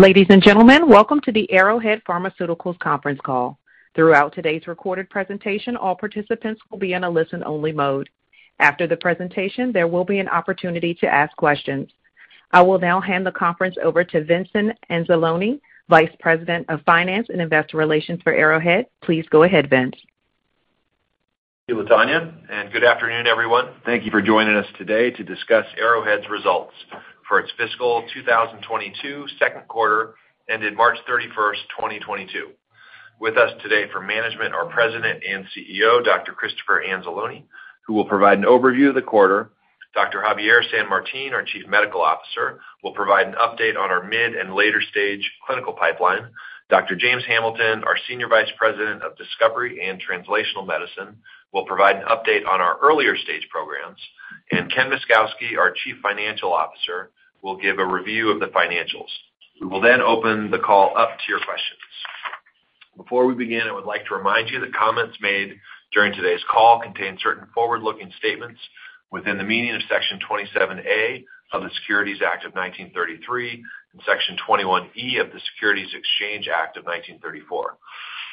Ladies and gentlemen, welcome to the Arrowhead Pharmaceuticals conference call. Throughout today's recorded presentation, all participants will be in a listen-only mode. After the presentation, there will be an opportunity to ask questions. I will now hand the conference over to Vincent Anzalone, Vice President of Finance and Investor Relations for Arrowhead. Please go ahead, Vince. Thank you, Latonya, and good afternoon, everyone. Thank you for joining us today to discuss Arrowhead's results for its fiscal 2022 second quarter ended March 31, 2022. With us today for management, our President and CEO, Dr. Christopher Anzalone, who will provide an overview of the quarter. Dr. Javier San Martin, our Chief Medical Officer, will provide an update on our mid and later-stage clinical pipeline. Dr. James Hamilton, our Senior Vice President of Discovery and Translational Medicine, will provide an update on our earlier stage programs. Ken Myszkowski, our Chief Financial Officer, will give a review of the financials. We will then open the call up to your questions. Before we begin, I would like to remind you that comments made during today's call contain certain forward-looking statements within the meaning of Section 27A of the Securities Act of 1933 and Section 21E of the Securities Exchange Act of 1934.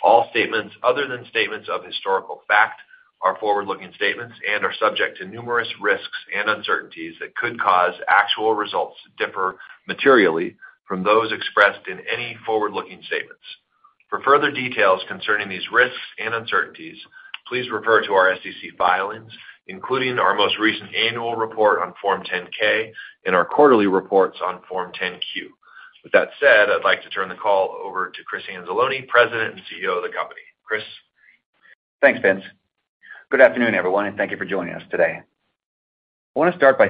All statements other than statements of historical fact are forward-looking statements and are subject to numerous risks and uncertainties that could cause actual results to differ materially from those expressed in any forward-looking statements. For further details concerning these risks and uncertainties, please refer to our SEC filings, including our most recent annual report on Form 10-K and our quarterly reports on Form 10-Q. With that said, I'd like to turn the call over to Chris Anzalone, President and CEO of the company. Chris. Thanks, Vince. Good afternoon, everyone, and thank you for joining us today. I want to start by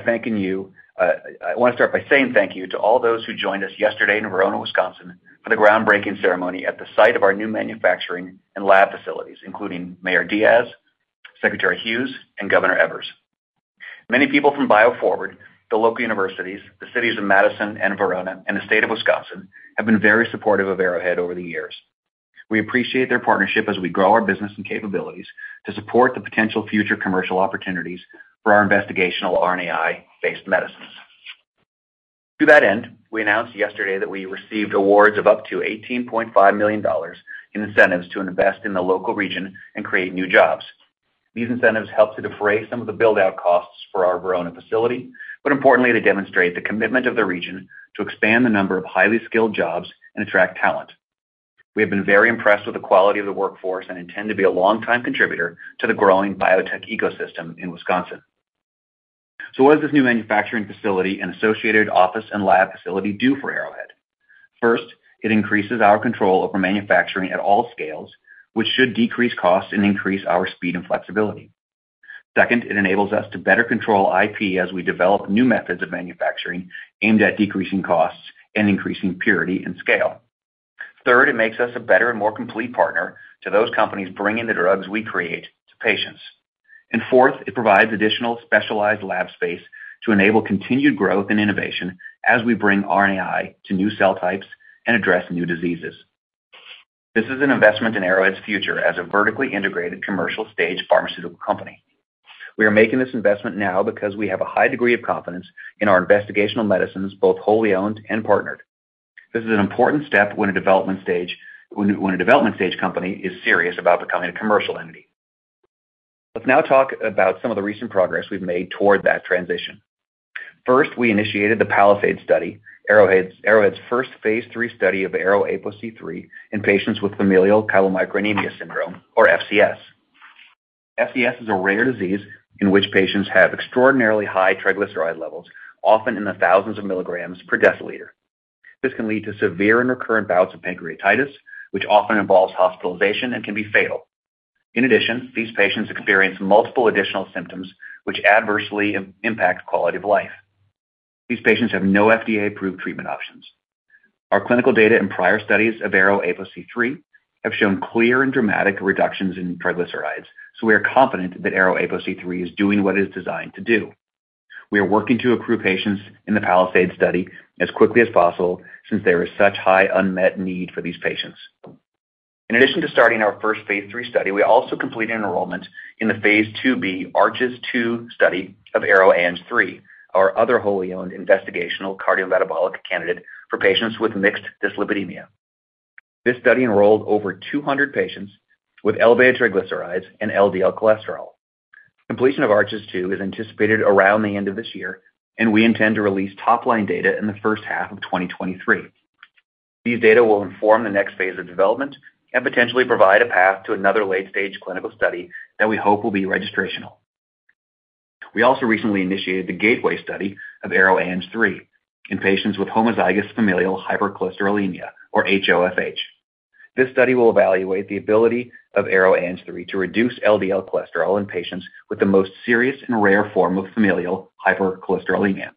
saying thank you to all those who joined us yesterday in Verona, Wisconsin, for the groundbreaking ceremony at the site of our new manufacturing and lab facilities, including Mayor Diaz, Secretary Hughes, and Governor Evers. Many people from BioForward, the local universities, the cities of Madison and Verona, and the state of Wisconsin have been very supportive of Arrowhead over the years. We appreciate their partnership as we grow our business and capabilities to support the potential future commercial opportunities for our investigational RNAi-based medicines. To that end, we announced yesterday that we received awards of up to $18.5 million in incentives to invest in the local region and create new jobs. These incentives help to defray some of the build-out costs for our Verona facility, but importantly, they demonstrate the commitment of the region to expand the number of highly skilled jobs and attract talent. We have been very impressed with the quality of the workforce and intend to be a long-time contributor to the growing biotech ecosystem in Wisconsin. What does this new manufacturing facility and associated office and lab facility do for Arrowhead? First, it increases our control over manufacturing at all scales, which should decrease costs and increase our speed and flexibility. Second, it enables us to better control IP as we develop new methods of manufacturing aimed at decreasing costs and increasing purity and scale. Third, it makes us a better and more complete partner to those companies bringing the drugs we create to patients. Fourth, it provides additional specialized lab space to enable continued growth and innovation as we bring RNAi to new cell types and address new diseases. This is an investment in Arrowhead's future as a vertically integrated commercial-stage pharmaceutical company. We are making this investment now because we have a high degree of confidence in our investigational medicines, both wholly owned and partnered. This is an important step when a development stage company is serious about becoming a commercial entity. Let's now talk about some of the recent progress we've made toward that transition. First, we initiated the PALISADE study, Arrowhead's first Phase 3 study of ARO-APOC3 in patients with familial chylomicronemia syndrome, or FCS. FCS is a rare disease in which patients have extraordinarily high triglyceride levels, often in the thousands of mg per deciliter. This can lead to severe and recurrent bouts of pancreatitis, which often involves hospitalization and can be fatal. In addition, these patients experience multiple additional symptoms which adversely impact quality of life. These patients have no FDA-approved treatment options. Our clinical data in prior studies of ARO-APOC3 have shown clear and dramatic reductions in triglycerides, so we are confident that ARO-APOC3 is doing what it is designed to do. We are working to accrue patients in the PALISADE study as quickly as possible since there is such high unmet need for these patients. In addition to starting our first Phase 3 study, we also completed enrollment in the Phase 2b ARCHES-2 study of ARO-ANG3, our other wholly owned investigational cardiometabolic candidate for patients with mixed dyslipidemia. This study enrolled over 200 patients with elevated triglycerides and LDL cholesterol. Completion of ARCHES-2 is anticipated around the end of this year, and we intend to release top-line data in the first half of 2023. These data will inform the next phase of development and potentially provide a path to another late-stage clinical study that we hope will be registrational. We also recently initiated the GATEWAY study of ARO-ANG3 in patients with homozygous familial hypercholesterolemia, or HoFH. This study will evaluate the ability of ARO-ANG3 to reduce LDL cholesterol in patients with the most serious and rare form of familial hypercholesterolemia.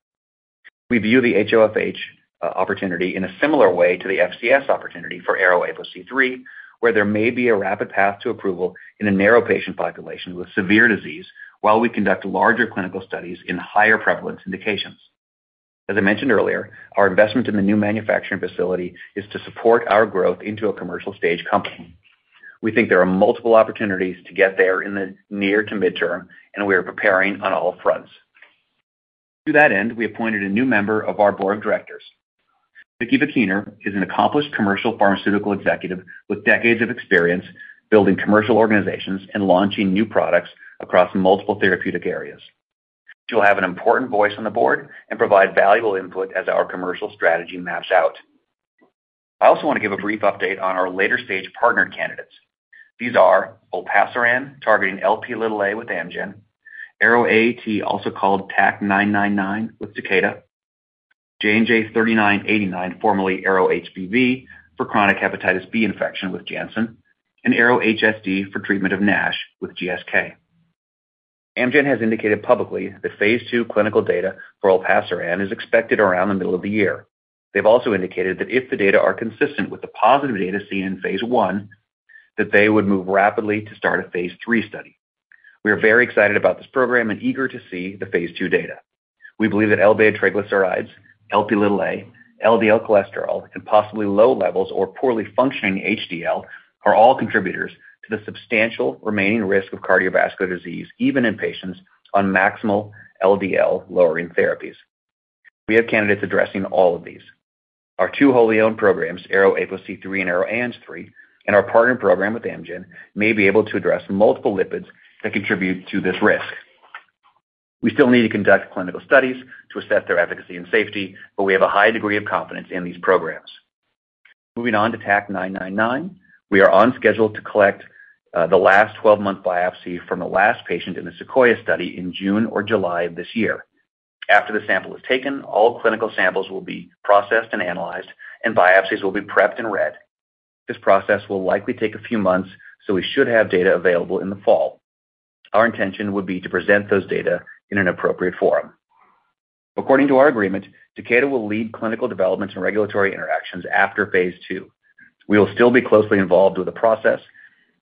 We view the HoFH opportunity in a similar way to the FCS opportunity for ARO-APOC3, where there may be a rapid path to approval in a narrow patient population with severe disease while we conduct larger clinical studies in higher prevalence indications. As I mentioned earlier, our investment in the new manufacturing facility is to support our growth into a commercial stage company. We think there are multiple opportunities to get there in the near to mid-term, and we are preparing on all fronts. To that end, we appointed a new member of our board of directors. Vicki Vakiener is an accomplished commercial pharmaceutical executive with decades of experience building commercial organizations and launching new products across multiple therapeutic areas. She'll have an important voice on the board and provide valuable input as our commercial strategy maps out. I also want to give a brief update on our later-stage partner candidates. These are Olpasiran, targeting Lp(a) with Amgen, ARO-AAT, also called TAK-999 with Takeda, JNJ-3989, formerly ARO-HBV, for chronic hepatitis B infection with Janssen, and ARO-HSD for treatment of NASH with GSK. Amgen has indicated publicly that Phase 2 clinical data for Olpasiran is expected around the middle of the year. They've also indicated that if the data are consistent with the positive data seen in Phase 1, that they would move rapidly to start a Phase 3 study. We are very excited about this program and eager to see the Phase 2 data. We believe that elevated triglycerides, Lp(a), LDL cholesterol, and possibly low levels or poorly functioning HDL are all contributors to the substantial remaining risk of cardiovascular disease, even in patients on maximal LDL-lowering therapies. We have candidates addressing all of these. Our two wholly-owned programs, ARO-APOC3 and ARO-ANG3, and our partner program with Amgen, may be able to address multiple lipids that contribute to this risk. We still need to conduct clinical studies to assess their efficacy and safety, but we have a high degree of confidence in these programs. Moving on to TAK-999. We are on schedule to collect the last 12-month biopsy from the last patient in the SEQUOIA study in June or July of this year. After the sample is taken, all clinical samples will be processed and analyzed, and biopsies will be prepped and read. This process will likely take a few months, so we should have data available in the fall. Our intention would be to present those data in an appropriate forum. According to our agreement, Takeda will lead clinical developments and regulatory interactions after Phase 2. We will still be closely involved with the process,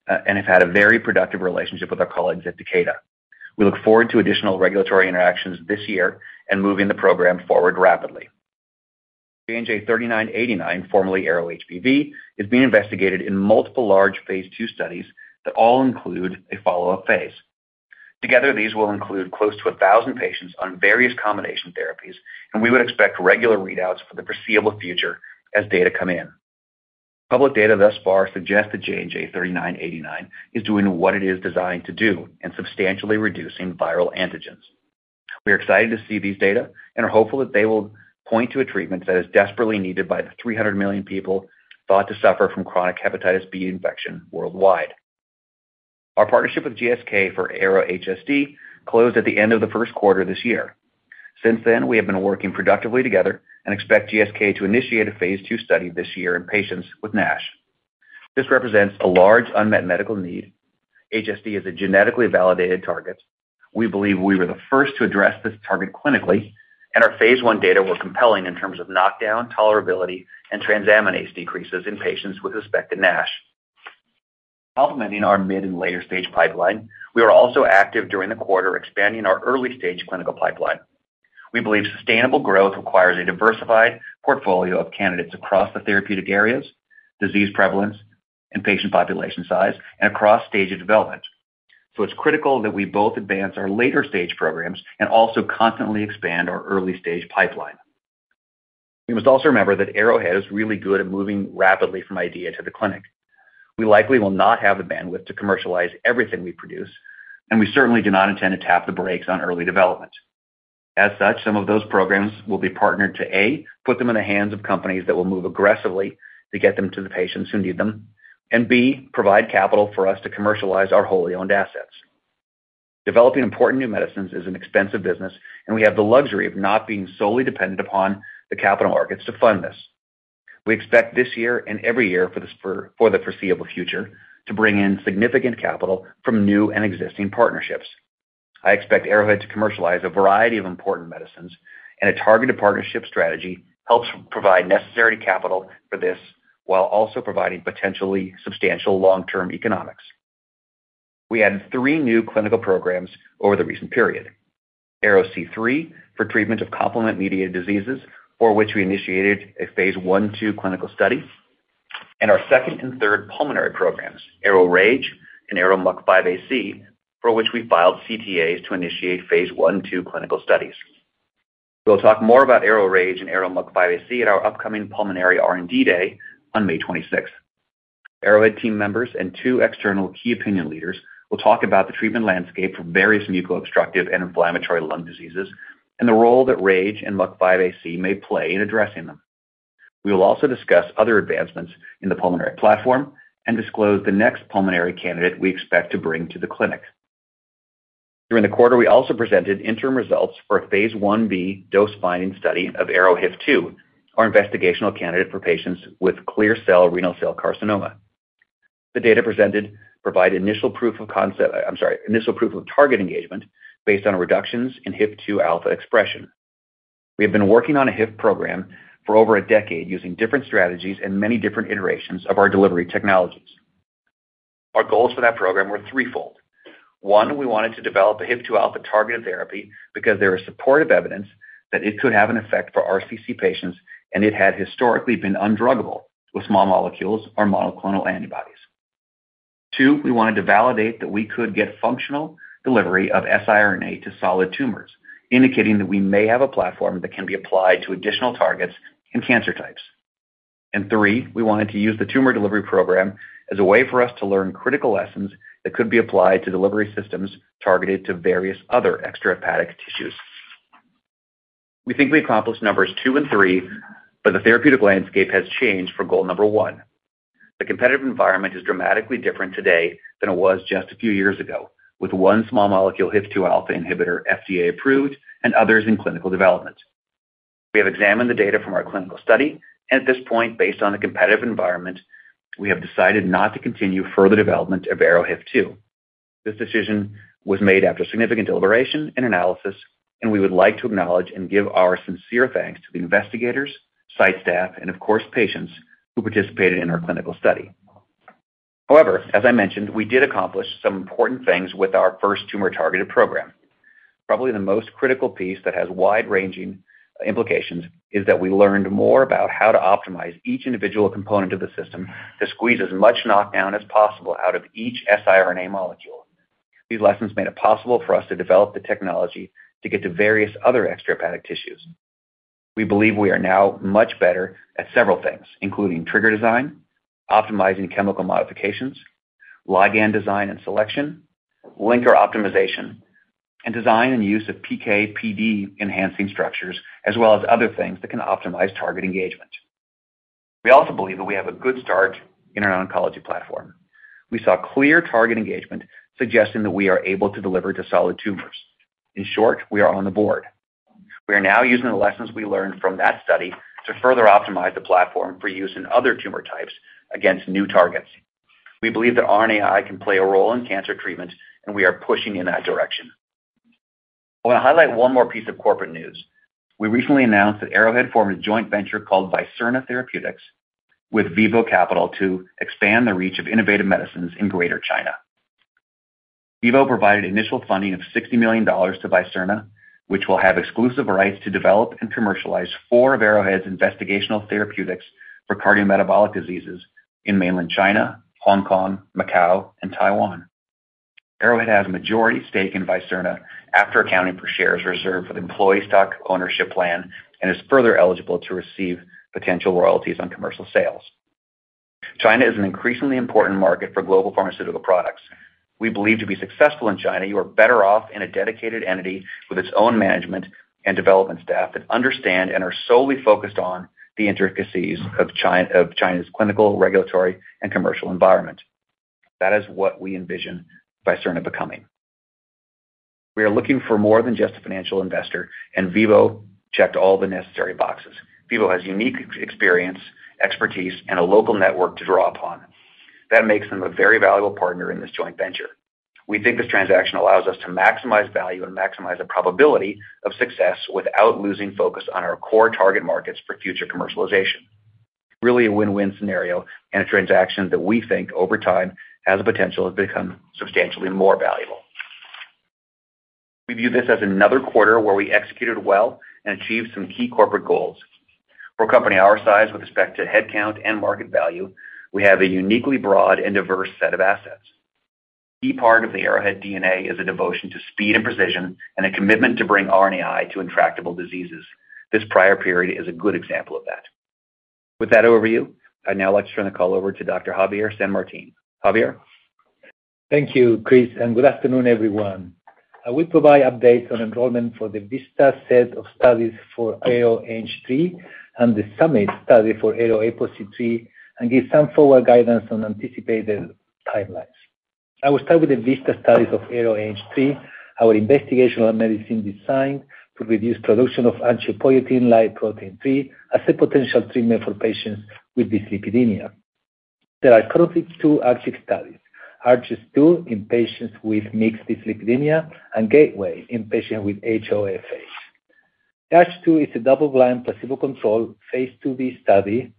and have had a very productive relationship with our colleagues at Takeda. We look forward to additional regulatory interactions this year and moving the program forward rapidly. JNJ-3989, formerly ARO-HBV, is being investigated in multiple large Phase 2 studies that all include a follow-up phase. Together, these will include close to 1,000 patients on various combination therapies, and we would expect regular readouts for the foreseeable future as data come in. Public data thus far suggest that JNJ-3989 is doing what it is designed to do in substantially reducing viral antigens. We are excited to see these data and are hopeful that they will point to a treatment that is desperately needed by the 300 million people thought to suffer from chronic hepatitis B infection worldwide. Our partnership with GSK for ARO-HSD closed at the end of the first quarter this year. Since then, we have been working productively together and expect GSK to initiate a Phase 2 study this year in patients with NASH. This represents a large unmet medical need. HSD is a genetically validated target. We believe we were the first to address this target clinically, and our Phase 1 data were compelling in terms of knockdown, tolerability, and transaminase decreases in patients with respect to NASH. Complementing our mid and later-stage pipeline, we were also active during the quarter expanding our early-stage clinical pipeline. We believe sustainable growth requires a diversified portfolio of candidates across the therapeutic areas, disease prevalence, and patient population size, and across stages of development. It's critical that we both advance our later-stage programs and also constantly expand our early-stage pipeline. You must also remember that Arrowhead is really good at moving rapidly from idea to the clinic. We likely will not have the bandwidth to commercialize everything we produce, and we certainly do not intend to tap the brakes on early development. As such, some of those programs will be partnered to, A, put them in the hands of companies that will move aggressively to get them to the patients who need them, and B, provide capital for us to commercialize our wholly owned assets. Developing important new medicines is an expensive business, and we have the luxury of not being solely dependent upon the capital markets to fund this. We expect this year and every year for the foreseeable future to bring in significant capital from new and existing partnerships. I expect Arrowhead to commercialize a variety of important medicines, and a targeted partnership strategy helps provide necessary capital for this while also providing potentially substantial long-term economics. We added three new clinical programs over the recent period. ARO-C3, for treatment of complement-mediated diseases, for which we initiated a Phase 1/2 clinical study. Our second and third pulmonary programs, ARO-RAGE and ARO-MUC5AC, for which we filed CTAs to initiate Phase 1/2 clinical studies. We'll talk more about ARO-RAGE and ARO-MUC5AC at our upcoming pulmonary R&D day on May 26. Arrowhead team members and two external key opinion leaders will talk about the treatment landscape for various mucobstructive and inflammatory lung diseases and the role that RAGE and MUC5AC may play in addressing them. We will also discuss other advancements in the pulmonary platform and disclose the next pulmonary candidate we expect to bring to the clinic. During the quarter, we also presented interim results for a Phase 1b dose-finding study of ARO-HIF2, our investigational candidate for patients with clear cell renal cell carcinoma. The data presented provide initial proof of target engagement based on reductions in HIF-2 alpha expression. We have been working on a HIF program for over a decade using different strategies and many different iterations of our delivery technologies. Our goals for that program were threefold. One, we wanted to develop a HIF-2 alpha-targeted therapy because there was supportive evidence that it could have an effect for RCC patients, and it had historically been undruggable with small molecules or monoclonal antibodies. Two, we wanted to validate that we could get functional delivery of siRNA to solid tumors, indicating that we may have a platform that can be applied to additional targets and cancer types. Three, we wanted to use the tumor delivery program as a way for us to learn critical lessons that could be applied to delivery systems targeted to various other extrahepatic tissues. We think we accomplished numbers two and three, but the therapeutic landscape has changed for goal number one. The competitive environment is dramatically different today than it was just a few years ago, with one small molecule HIF-2 alpha inhibitor FDA-approved and others in clinical development. We have examined the data from our clinical study and at this point, based on the competitive environment, we have decided not to continue further development of ARO-HIF2. This decision was made after significant deliberation and analysis, and we would like to acknowledge and give our sincere thanks to the investigators, site staff, and of course patients who participated in our clinical study. However, as I mentioned, we did accomplish some important things with our first tumor-targeted program. Probably the most critical piece that has wide-ranging implications is that we learned more about how to optimize each individual component of the system to squeeze as much knockdown as possible out of each siRNA molecule. These lessons made it possible for us to develop the technology to get to various other extrahepatic tissues. We believe we are now much better at several things, including trigger design, optimizing chemical modifications, ligand design and selection, linker optimization, and design and use of PK/PD-enhancing structures, as well as other things that can optimize target engagement. We also believe that we have a good start in our oncology platform. We saw clear target engagement suggesting that we are able to deliver to solid tumors. In short, we are on the board. We are now using the lessons we learned from that study to further optimize the platform for use in other tumor types against new targets. We believe that RNAi can play a role in cancer treatment, and we are pushing in that direction. I wanna highlight one more piece of corporate news. We recently announced that Arrowhead formed a joint venture called Visirna Therapeutics with Vivo Capital to expand the reach of innovative medicines in Greater China. Vivo provided initial funding of $60 million to Visirna, which will have exclusive rights to develop and commercialize four of Arrowhead's investigational therapeutics for cardiometabolic diseases in Mainland China, Hong Kong, Macau, and Taiwan. Arrowhead has a majority stake in Visirna after accounting for shares reserved for the employee stock ownership plan and is further eligible to receive potential royalties on commercial sales. China is an increasingly important market for global pharmaceutical products. We believe to be successful in China, you are better off in a dedicated entity with its own management and development staff that understand and are solely focused on the intricacies of China's clinical, regulatory, and commercial environment. That is what we envision Visirna becoming. We are looking for more than just a financial investor, and Vivo checked all the necessary boxes. Vivo has unique experience, expertise, and a local network to draw upon. That makes them a very valuable partner in this joint venture. We think this transaction allows us to maximize value and maximize the probability of success without losing focus on our core target markets for future commercialization. Really a win-win scenario and a transaction that we think over time has the potential to become substantially more valuable. We view this as another quarter where we executed well and achieved some key corporate goals. For a company our size with respect to headcount and market value, we have a uniquely broad and diverse set of assets. Key part of the Arrowhead DNA is a devotion to speed and precision and a commitment to bring RNAi to intractable diseases. This prior period is a good example of that. With that overview, I'd now like to turn the call over to Dr. Javier San Martin. Javier. Thank you, Chris, and good afternoon, everyone. I will provide updates on enrollment for the VISTA set of studies for ARO-ANG3 and the SUMMIT study for ARO-APOC3 and give some forward guidance on anticipated timelines. I will start with the VISTA studies of ARO-ANG3, our investigational medicine designed to reduce production of angiopoietin-like protein 3 as a potential treatment for patients with dyslipidemia. There are currently two active studies, ARCHES-2 in patients with mixed dyslipidemia and GATEWAY in patients with HoFH. ARCHES-2 is a double-blind placebo-controlled Phase 2b study.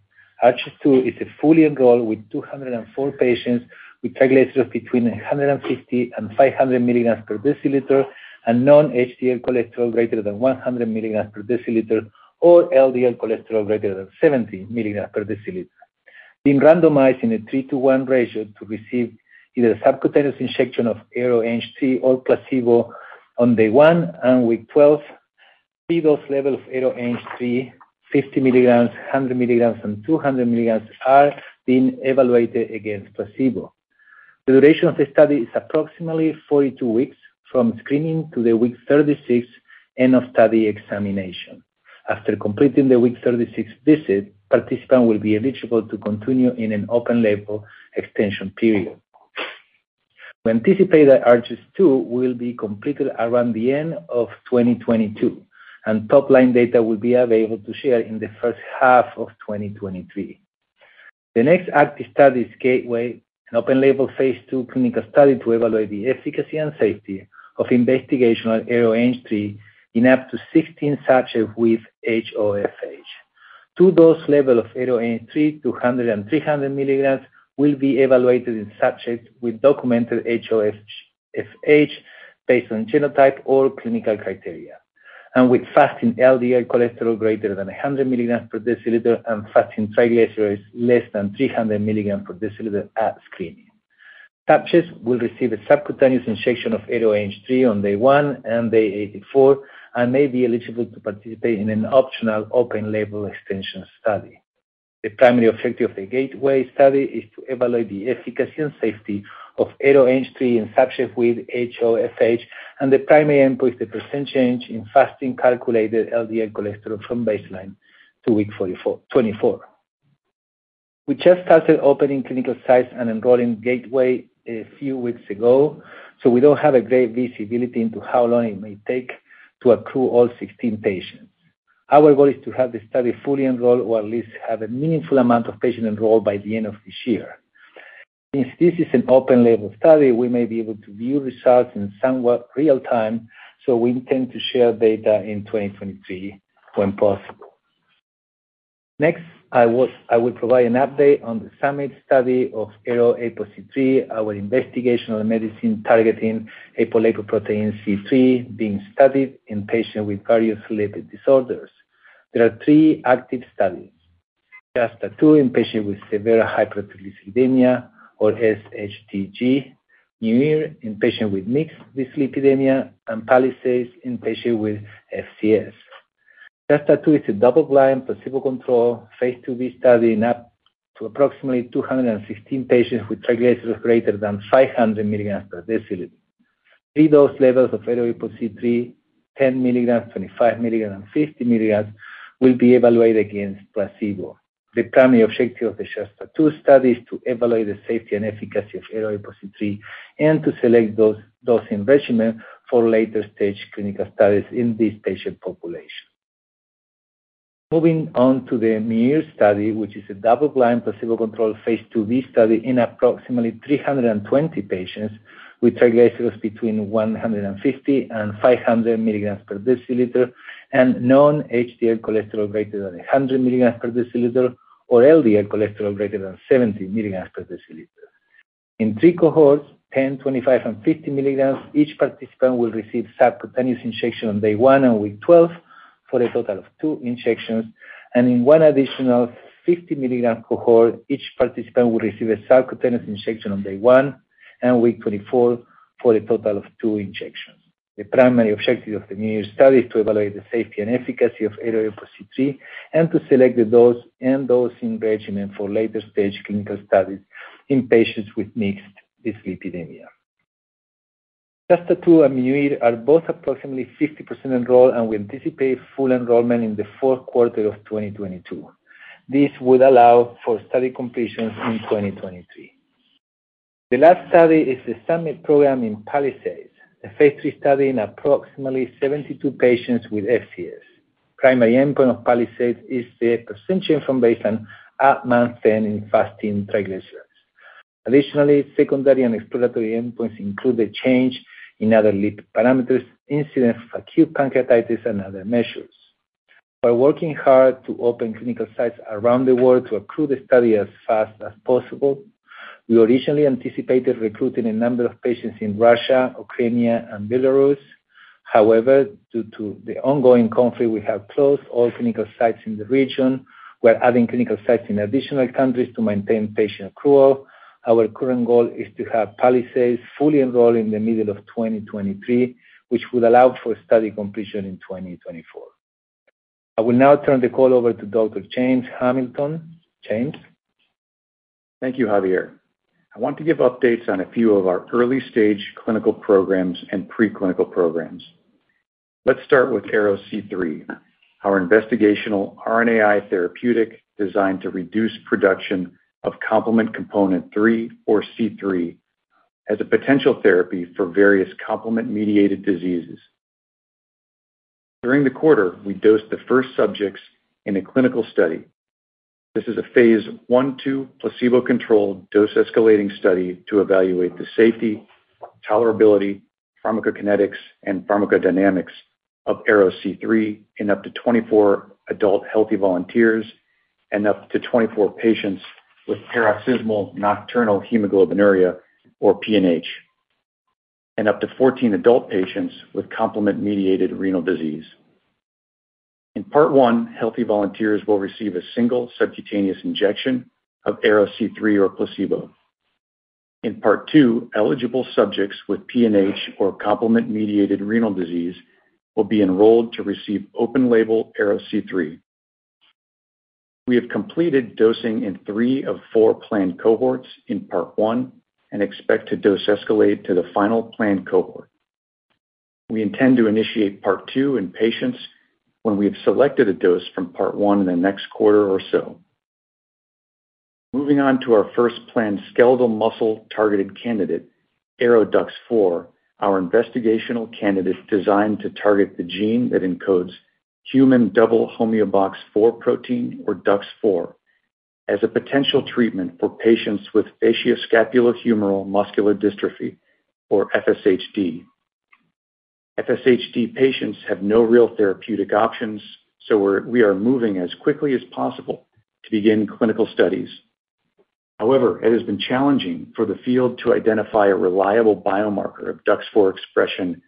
ARCHES-2 is fully enrolled with 204 patients with triglycerides between 150-500 mg/dL and non-HDL cholesterol greater than 100 mg/dL or LDL cholesterol greater than 70 mg/dL. being randomized in a 3:1 ratio to receive either subcutaneous injection of ARO-ANG3 or placebo on day one and week 12. Three dose levels of ARO-ANG3, 50 mg, 100 mg, and 200 mg are being evaluated against placebo. The duration of the study is approximately 42 weeks from screening to the week 36 end of study examination. After completing the week 36 visit, participants will be eligible to continue in an open-label extension period. We anticipate that ARCHES-2 will be completed around the end of 2022, and top-line data will be available to share in the first half of 2023. The next active study is GATEWAY, an open-label Phase 2 clinical study to evaluate the efficacy and safety of investigational ARO-ANG3 in up to 16 subjects with HoFH. Two dose levels of ARO-ANG3, 100 and 300 mg will be evaluated in subjects with documented HoFH based on genotype or clinical criteria. With fasting LDL cholesterol greater than 100 mg/Dl and fasting triglycerides less than 300 mg/Dl at screening. Subjects will receive a subcutaneous injection of ARO-ANG3 on day 1 and day 84, and may be eligible to participate in an optional open-label extension study. The primary objective of the GATEWAY study is to evaluate the efficacy and safety of ARO-ANG3 in subjects with HoFH, and the primary endpoint, the % change in fasting calculated LDL cholesterol from baseline to week 44, 24. We just started opening clinical sites and enrolling GATEWAY a few weeks ago, so we don't have a great visibility into how long it may take to accrue all 16 patients. Our goal is to have the study fully enrolled, or at least have a meaningful amount of patients enrolled by the end of this year. Since this is an open label study, we may be able to view results in somewhat real-time, so we intend to share data in 2023 when possible. Next, I will provide an update on the SUMMIT study of ARO-APOC3, our investigational medicine targeting apolipoprotein C3 being studied in patients with various lipid disorders. There are three active studies. SHASTA-2 in patients with severe hypertriglyceridemia or SHTG, MUIR in patients with mixed dyslipidemia, and PALISADE in patients with FCS. SHASTA-2 is a double-blind placebo-controlled Phase 2b study in up to approximately 216 patients with triglycerides greater than 500 mg/Dl. Three dose levels of ARO-APOC3, 10 mg, 25 mg, and 50 mg will be evaluated against placebo. The primary objective of the SHASTA-2 study is to evaluate the safety and efficacy of ARO-APOC3 and to select dose, dosing regimen for later stage clinical studies in this patient population. Moving on to the MUIR study, which is a double-blind placebo-controlled Phase 2b study in approximately 320 patients with triglycerides between 150 and 500 mg/DL and non-HDL cholesterol greater than 100 mg/Dl, or LDL cholesterol greater than 70 mg/Dl. In three cohorts, 10, 25, and 50 mg, each participant will receive subcutaneous injection on day 1 and week 12 for a total of 2 injections, and in one additional 50-milligram cohort, each participant will receive a subcutaneous injection on day 1 and week 24 for a total of 2 injections. The primary objective of the MUIR study is to evaluate the safety and efficacy of ARO-APOC3 and to select the dose and dosing regimen for later stage clinical studies in patients with mixed dyslipidemia. SHASTA-2 and MUIR are both approximately 50% enrolled, and we anticipate full enrollment in the fourth quarter of 2022. This would allow for study completions in 2023. The last study is the SUMMIT program in PALISADE, a Phase 3 study in approximately 72 patients with FCS. Primary endpoint of PALISADE is the % change from baseline at month 10 in fasting triglycerides. Additionally, secondary and exploratory endpoints include the change in other lipid parameters, incidence of acute pancreatitis, and other measures. By working hard to open clinical sites around the world to accrue the study as fast as possible, we originally anticipated recruiting a number of patients in Russia, Ukraine, and Belarus. However, due to the ongoing conflict, we have closed all clinical sites in the region. We're adding clinical sites in additional countries to maintain patient accrual. Our current goal is to have PALISADE fully enrolled in the middle of 2023, which would allow for study completion in 2024. I will now turn the call over to Dr. James Hamilton. James? Thank you, Javier. I want to give updates on a few of our early stage clinical programs and pre-clinical programs. Let's start with ARO-C3, our investigational RNAi therapeutic designed to reduce production of complement component 3 or C3 as a potential therapy for various complement-mediated diseases. During the quarter, we dosed the first subjects in a clinical study. This is a Phase 1/2 placebo-controlled dose escalating study to evaluate the safety, tolerability, pharmacokinetics, and pharmacodynamics of ARO-C3 in up to 24 adult healthy volunteers and up to 24 patients with paroxysmal nocturnal hemoglobinuria or PNH, and up to 14 adult patients with complement-mediated renal disease. In part 1, healthy volunteers will receive a single subcutaneous injection of ARO-C3 or placebo. In part 2, eligible subjects with PNH or complement-mediated renal disease will be enrolled to receive open label ARO-C3. We have completed dosing in three of four planned cohorts in part one and expect to dose escalate to the final planned cohort. We intend to initiate part two in patients when we have selected a dose from part one in the next quarter or so. Moving on to our first planned skeletal muscle-targeted candidate, ARO-DUX4, our investigational candidate designed to target the gene that encodes human double homeobox four protein or DUX4, as a potential treatment for patients with facioscapulohumeral muscular dystrophy or FSHD. Patients have no real therapeutic options, so we are moving as quickly as possible to begin clinical studies. However, it has been challenging for the field to identify a reliable biomarker of DUX4 expression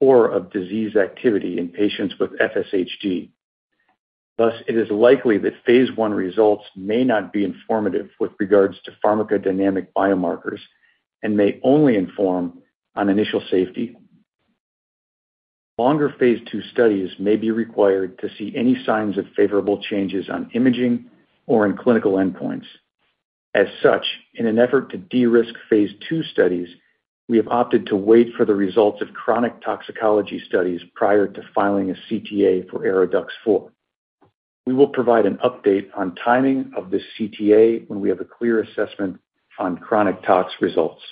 or of disease activity in patients with FSHD. Thus, it is likely that Phase 1 results may not be informative with regards to pharmacodynamic biomarkers and may only inform on initial safety. Longer Phase 2 studies may be required to see any signs of favorable changes on imaging or in clinical endpoints. As such, in an effort to de-risk Phase 2 studies, we have opted to wait for the results of chronic toxicology studies prior to filing a CTA for ARO-DUX4. We will provide an update on timing of the CTA when we have a clear assessment on chronic tox results.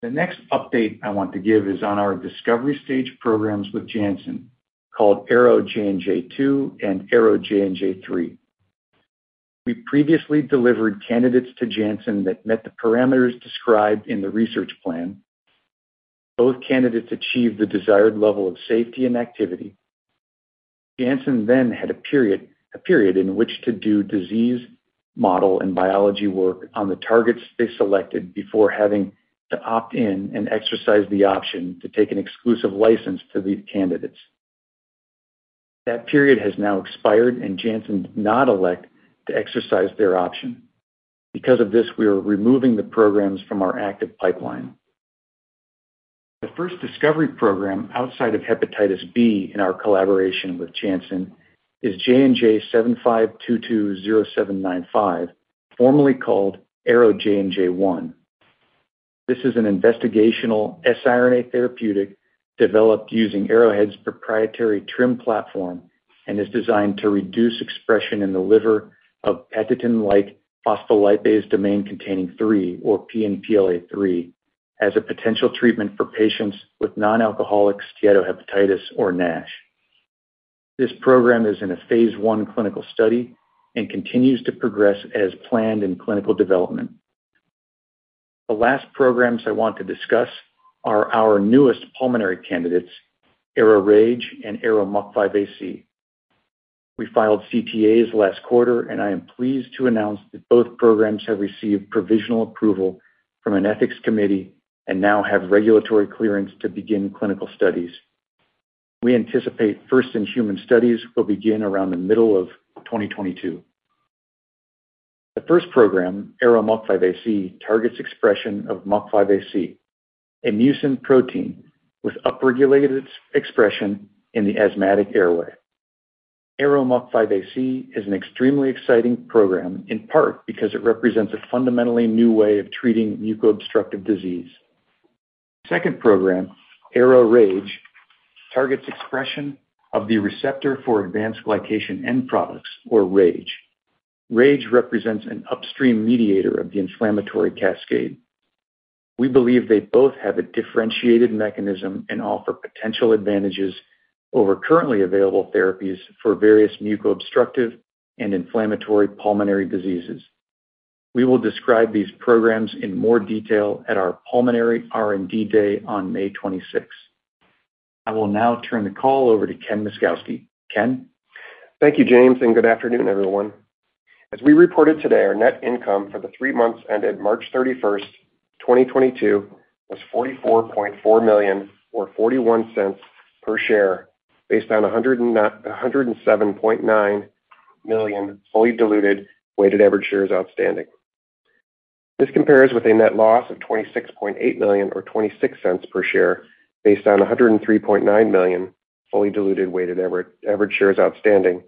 The next update I want to give is on our discovery stage programs with Janssen, called ARO-JNJ 2 and ARO-JNJ 3. We previously delivered candidates to Janssen that met the parameters described in the research plan. Both candidates achieved the desired level of safety and activity. Janssen had a period, a period in which to do disease model and biology work on the targets they selected before having to opt in and exercise the option to take an exclusive license to these candidates. That period has now expired, and Janssen did not elect to exercise their option. Because of this, we are removing the programs from our active pipeline. The first discovery program outside of hepatitis B in our collaboration with Janssen is JNJ-75220795, formerly called ARO-JNJ1. This is an investigational siRNA therapeutic developed using Arrowhead's proprietary TRiM platform and is designed to reduce expression in the liver of patatin-like phospholipase domain containing 3 or PNPLA3 as a potential treatment for patients with nonalcoholic steatohepatitis or NASH. This program is in a Phase 1 clinical study and continues to progress as planned in clinical development. The last programs I want to discuss are our newest pulmonary candidates, ARO-RAGE and ARO-MUC5AC. We filed CTAs last quarter, and I am pleased to announce that both programs have received provisional approval from an ethics committee and now have regulatory clearance to begin clinical studies. We anticipate first-in-human studies will begin around the middle of 2022. The first program, ARO-MUC5AC, targets expression of MUC5AC, a mucin protein with upregulated expression in the asthmatic airway. ARO-MUC5AC is an extremely exciting program, in part because it represents a fundamentally new way of treating mucobstructive disease. The second program, ARO-RAGE, targets expression of the receptor for advanced glycation end products or RAGE. RAGE represents an upstream mediator of the inflammatory cascade. We believe they both have a differentiated mechanism and offer potential advantages over currently available therapies for various mucobstructive and inflammatory pulmonary diseases. We will describe these programs in more detail at our pulmonary R&D day on May 26. I will now turn the call over to Ken Myszkowski. Ken? Thank you, James, and good afternoon, everyone. As we reported today, our net income for the three months ended March 31, 2022 was $44.4 million or $0.41 per share based on 107.9 million fully diluted weighted average shares outstanding. This compares with a net loss of $26.8 million or $0.26 per share based on 103.9 million fully diluted weighted average shares outstanding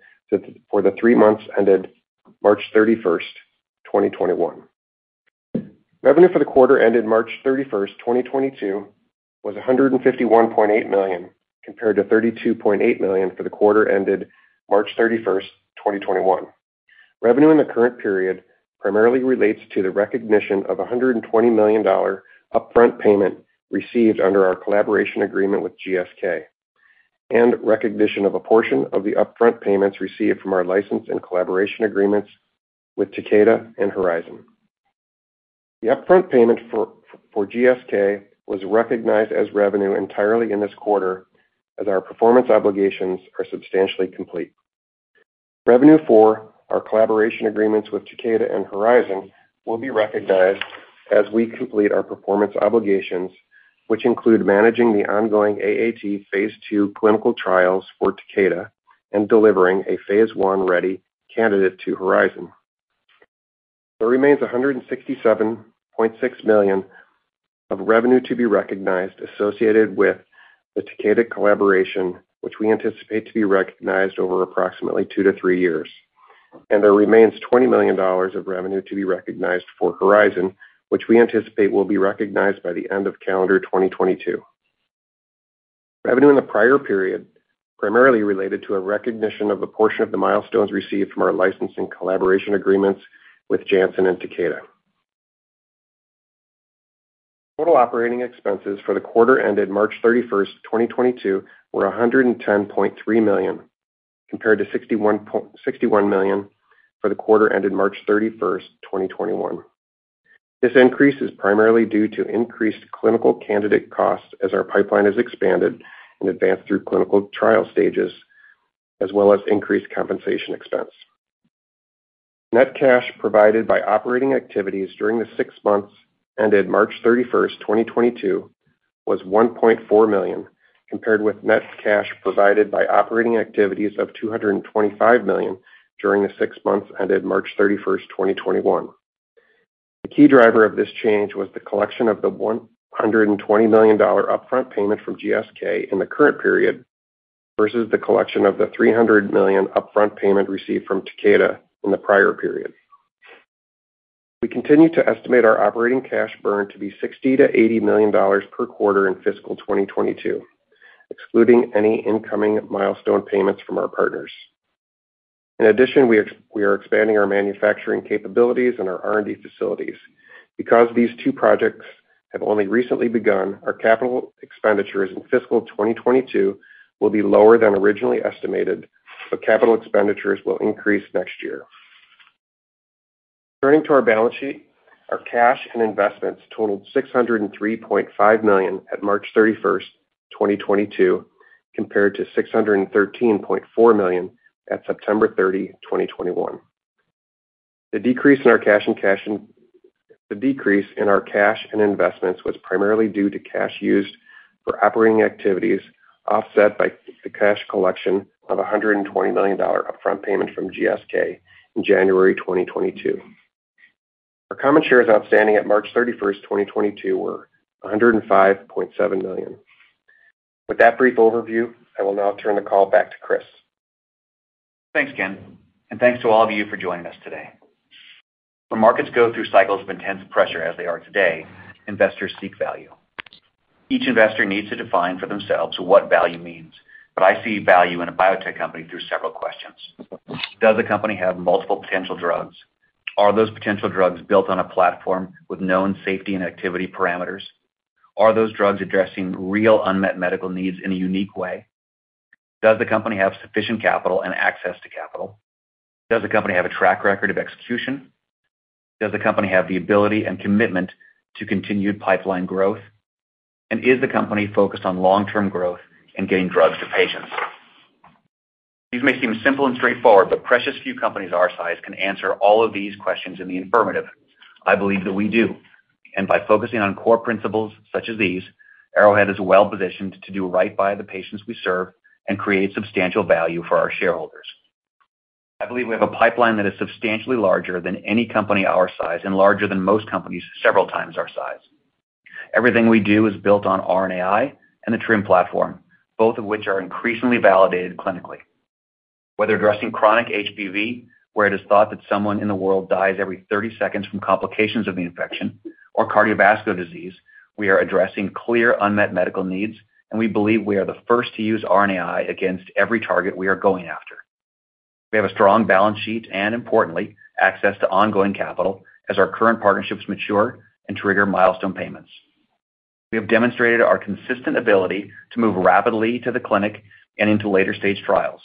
for the three months ended March 31, 2021. Revenue for the quarter ended March 31, 2022 was $151.8 million, compared to $32.8 million for the quarter ended March 31, 2021. Revenue in the current period primarily relates to the recognition of $120 million upfront payment received under our collaboration agreement with GSK and recognition of a portion of the upfront payments received from our license and collaboration agreements with Takeda and Horizon. The upfront payment for GSK was recognized as revenue entirely in this quarter as our performance obligations are substantially complete. Revenue for our collaboration agreements with Takeda and Horizon will be recognized as we complete our performance obligations, which include managing the ongoing AAT Phase 2 clinical trials for Takeda and delivering a Phase 1-ready candidate to Horizon. There remains $167.6 million of revenue to be recognized associated with the Takeda collaboration, which we anticipate to be recognized over approximately 2-3 years. There remains $20 million of revenue to be recognized for Horizon, which we anticipate will be recognized by the end of calendar 2022. Revenue in the prior period primarily related to a recognition of a portion of the milestones received from our licensing collaboration agreements with Janssen and Takeda. Total operating expenses for the quarter ended March 31, 2022 were $110.3 million compared to $61.6 million for the quarter ended March 31, 2021. This increase is primarily due to increased clinical candidate costs as our pipeline has expanded and advanced through clinical trial stages, as well as increased compensation expense. Net cash provided by operating activities during the six months ended March 31, 2022 was $1.4 million, compared with net cash provided by operating activities of $225 million during the six months ended March 31, 2021. The key driver of this change was the collection of the $120 million upfront payment from GSK in the current period versus the collection of the $300 million upfront payment received from Takeda in the prior period. We continue to estimate our operating cash burn to be $60 million-$80 million per quarter in fiscal 2022, excluding any incoming milestone payments from our partners. In addition, we are expanding our manufacturing capabilities and our R&D facilities. Because these two projects have only recently begun, our capital expenditures in fiscal 2022 will be lower than originally estimated, but capital expenditures will increase next year. Turning to our balance sheet, our cash and investments totaled $603.5 million at March 31, 2022, compared to $613.4 million at September 30, 2021. The decrease in our cash and investments was primarily due to cash used for operating activities, offset by the cash collection of $120 million upfront payment from GSK in January 2022. Our common shares outstanding at March 31, 2022 were 105.7 million. With that brief overview, I will now turn the call back to Chris. Thanks, Ken, and thanks to all of you for joining us today. When markets go through cycles of intense pressure as they are today, investors seek value. Each investor needs to define for themselves what value means, but I see value in a biotech company through several questions. Does the company have multiple potential drugs? Are those potential drugs built on a platform with known safety and activity parameters? Are those drugs addressing real unmet medical needs in a unique way? Does the company have sufficient capital and access to capital? Does the company have a track record of execution? Does the company have the ability and commitment to continued pipeline growth? Is the company focused on long-term growth and getting drugs to patients? These may seem simple and straightforward, but precious few companies our size can answer all of these questions in the affirmative. I believe that we do, and by focusing on core principles such as these, Arrowhead is well-positioned to do right by the patients we serve and create substantial value for our shareholders. I believe we have a pipeline that is substantially larger than any company our size and larger than most companies several times our size. Everything we do is built on RNAi and the TRiM platform, both of which are increasingly validated clinically. Whether addressing chronic HBV, where it is thought that someone in the world dies every 30 seconds from complications of the infection or cardiovascular disease, we are addressing clear unmet medical needs, and we believe we are the first to use RNAi against every target we are going after. We have a strong balance sheet and importantly, access to ongoing capital as our current partnerships mature and trigger milestone payments. We have demonstrated our consistent ability to move rapidly to the clinic and into later-stage trials.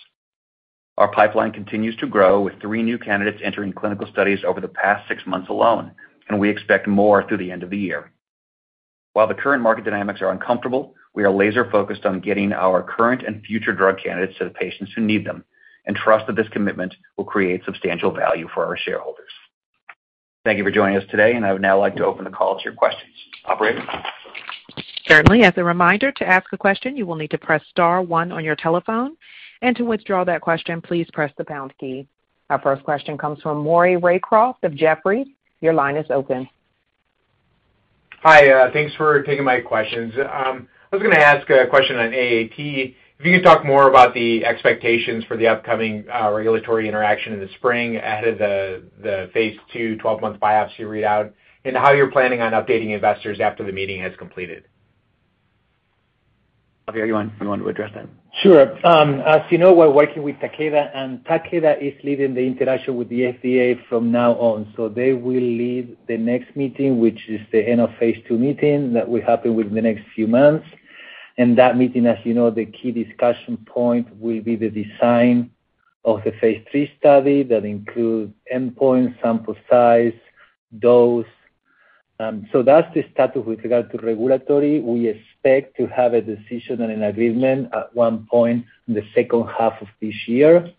Our pipeline continues to grow with three new candidates entering clinical studies over the past six months alone, and we expect more through the end of the year. While the current market dynamics are uncomfortable, we are laser-focused on getting our current and future drug candidates to the patients who need them and trust that this commitment will create substantial value for our shareholders. Thank you for joining us today, and I would now like to open the call to your questions. Operator? Certainly. As a reminder, to ask a question, you will need to press star one on your telephone, and to withdraw that question, please press the pound key. Our first question comes from Maury Raycroft of Jefferies. Your line is open. Hi, thanks for taking my questions. I was gonna ask a question on AAT. If you could talk more about the expectations for the upcoming regulatory interaction in the spring ahead of the Phase 2 12-month biopsy readout, and how you're planning on updating investors after the meeting has completed. Javier, you want to address that? Sure. As you know, we're working with Takeda, and Takeda is leading the interaction with the FDA from now on. They will lead the next meeting, which is the end of Phase 2 meeting that will happen within the next few months. In that meeting, as you know, the key discussion point will be the design of the Phase 3 study that includes endpoints, sample size, dose. That's the status with regard to regulatory. We expect to have a decision and an agreement at one point in the second half of this year.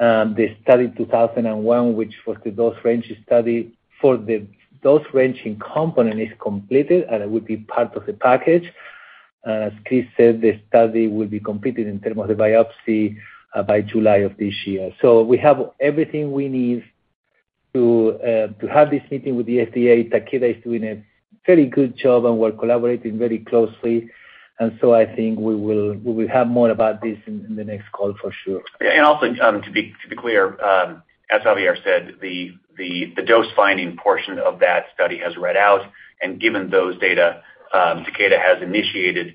The study 2001, which was the dose ranging study for the dose ranging component, is completed, and it will be part of the package. As Chris said, the study will be completed in terms of the biopsy by July of this year. We have everything we need to have this meeting with the FDA. Takeda is doing a very good job, and we're collaborating very closely. I think we will have more about this in the next call for sure. Yeah. Also, to be clear, as Javier said, the dose finding portion of that study has read out. Given those data, Takeda has initiated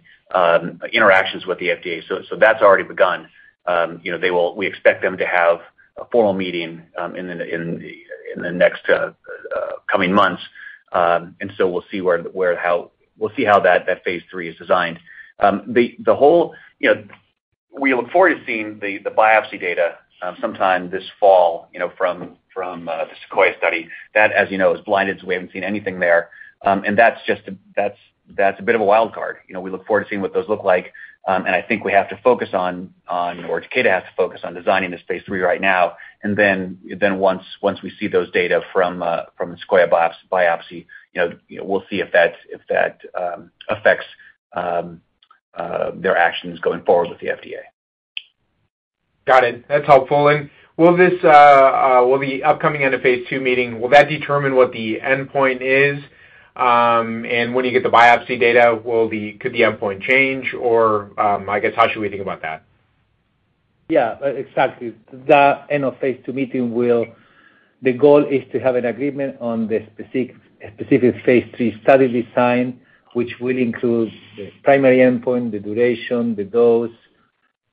interactions with the FDA. So that's already begun. You know, we expect them to have a formal meeting in the coming months, and we'll see how that Phase 3 is designed. The whole, you know, we look forward to seeing the biopsy data sometime this fall, you know, from the SEQUOIA study. That, as you know, is blinded, so we haven't seen anything there. That's just a bit of a wild card. You know, we look forward to seeing what those look like, and I think we have to focus on or Takeda has to focus on designing this Phase 3 right now. Then once we see those data from Sequoia biopsy, you know, we'll see if that affects their actions going forward with the FDA. Got it. That's helpful. Will the upcoming end of Phase 2 meeting determine what the endpoint is? When you get the biopsy data, could the endpoint change or, I guess, how should we think about that? Yeah. Exactly. The goal is to have an agreement on the specific Phase 3 study design, which will include the primary endpoint, the duration, the dose,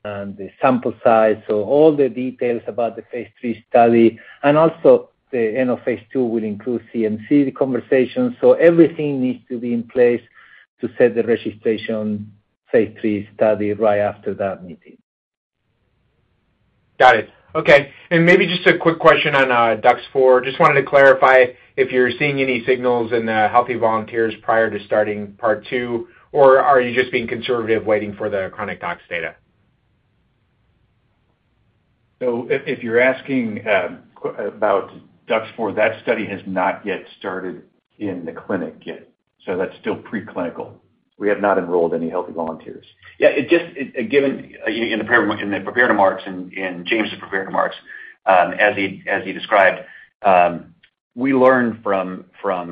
and the sample size. All the details about the Phase 3 study. Also the end of Phase 2 will include CMC, the conversation. Everything needs to be in place to set the registration Phase 3 study right after that meeting. Got it. Okay. Maybe just a quick question on DUX4. Just wanted to clarify if you're seeing any signals in the healthy volunteers prior to starting part two, or are you just being conservative waiting for the chronic tox data? If you're asking about DUX4, that study has not yet started in the clinic yet, so that's still preclinical. We have not enrolled any healthy volunteers. Yeah, it just given in the prepared remarks, and in James' prepared remarks, as he described, we learned from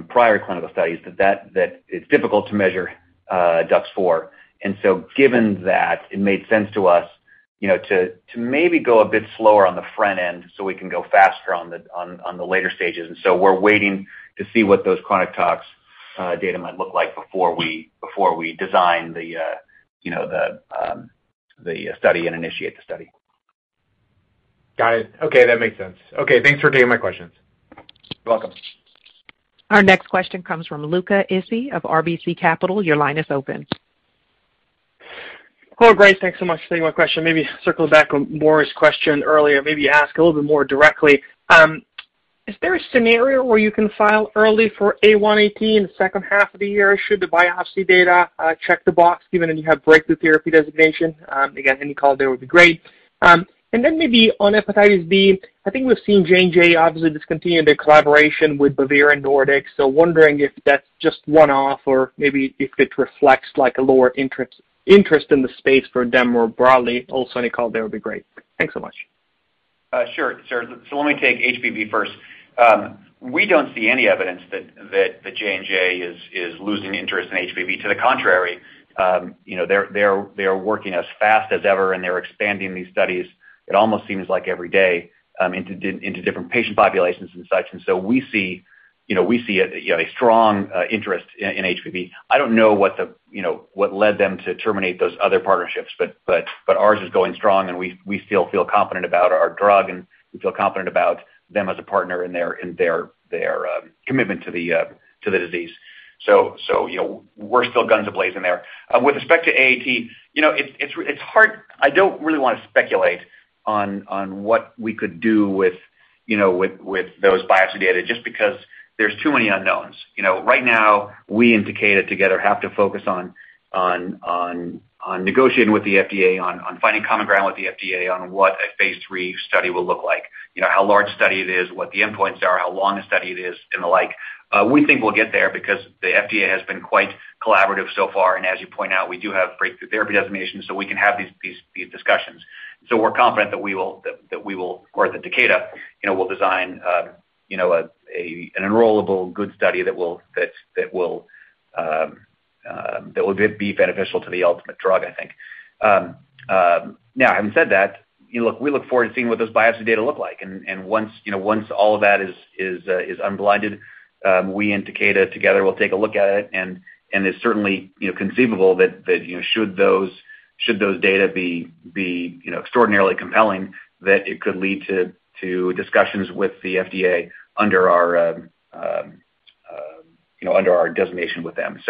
prior clinical studies that it's difficult to measure DUX4. Given that, it made sense to us, you know, to maybe go a bit slower on the front end, so we can go faster on the later stages. We're waiting to see what those chronic tox data might look like before we design the study and initiate the study. Got it. Okay, that makes sense. Okay, thanks for taking my questions. You're welcome. Our next question comes from Luca Issi of RBC Capital. Your line is open. Hello, Grace. Thanks so much for taking my question. Maybe circling back on Maury Raycroft's question earlier, maybe ask a little bit more directly. Is there a scenario where you can file early for ARO-AAT in the second half of the year should the biopsy data check the box, even if you have breakthrough therapy designation? Again, any call there would be great. And then maybe on hepatitis B, I think we've seen J&J obviously discontinue their collaboration with Bavarian Nordic, so wondering if that's just one-off or maybe if it reflects like a lower interest in the space for them more broadly. Also, any call there would be great. Thanks so much. Sure. Let me take HBV first. We don't see any evidence that J&J is losing interest in HBV, to the contrary. You know, they're working as fast as ever, and they're expanding these studies, it almost seems like every day, into different patient populations and such. We see a strong interest in HBV. I don't know what led them to terminate those other partnerships, but ours is going strong, and we still feel confident about our drug, and we feel confident about them as a partner and their commitment to the disease. You know, we're still guns a-blazing there. With respect to AAT, you know, it's hard. I don't really wanna speculate on what we could do with, you know, with those biopsy data just because there's too many unknowns. You know, right now, we and Takeda together have to focus on negotiating with the FDA, on finding common ground with the FDA on what a Phase 3 study will look like. You know, how large study it is, what the endpoints are, how long a study it is and the like. We think we'll get there because the FDA has been quite collaborative so far, and as you point out, we do have Breakthrough Therapy designations, so we can have these discussions. We're confident that we will or that Takeda, you know, will design, you know, an enrollable good study that will be beneficial to the ultimate drug, I think. Now, having said that, you know, look, we look forward to seeing what those biopsy data look like. Once all of that is unblinded, we and Takeda together will take a look at it, and it's certainly conceivable that, you know, should those data be extraordinarily compelling, that it could lead to discussions with the FDA under our designation with them.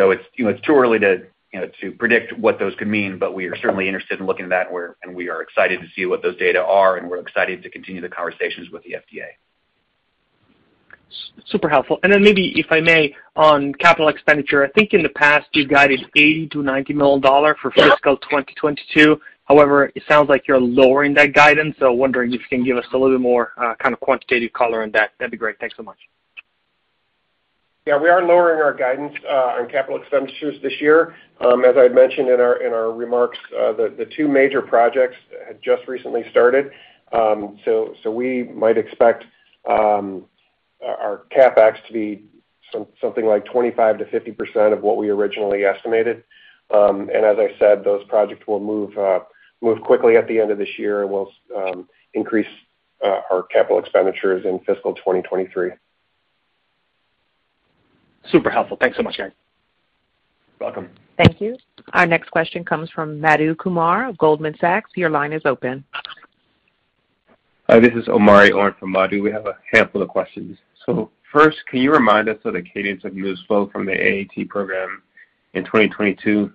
It's, you know, too early to, you know, predict what those could mean, but we are certainly interested in looking at that, and we are excited to see what those data are, and we're excited to continue the conversations with the FDA. Super helpful. Maybe, if I may, on capital expenditure. I think in the past you've guided $80-$90 million for fiscal 2022. However, it sounds like you're lowering that guidance. Wondering if you can give us a little bit more, kind of quantitative color on that. That'd be great. Thanks so much. Yeah, we are lowering our guidance on capital expenditures this year. As I had mentioned in our remarks, the two major projects had just recently started. We might expect our CapEx to be something like 25%-50% of what we originally estimated. As I said, those projects will move quickly at the end of this year. We'll increase our capital expenditures in fiscal 2023. Super helpful. Thanks so much, Ken. Welcome. Thank you. Our next question comes from Madhu Kumar of Goldman Sachs. Your line is open. Hi, this is Omari on for Madhu. We have a handful of questions. First, can you remind us of the cadence of news flow from the AAT program in 2022?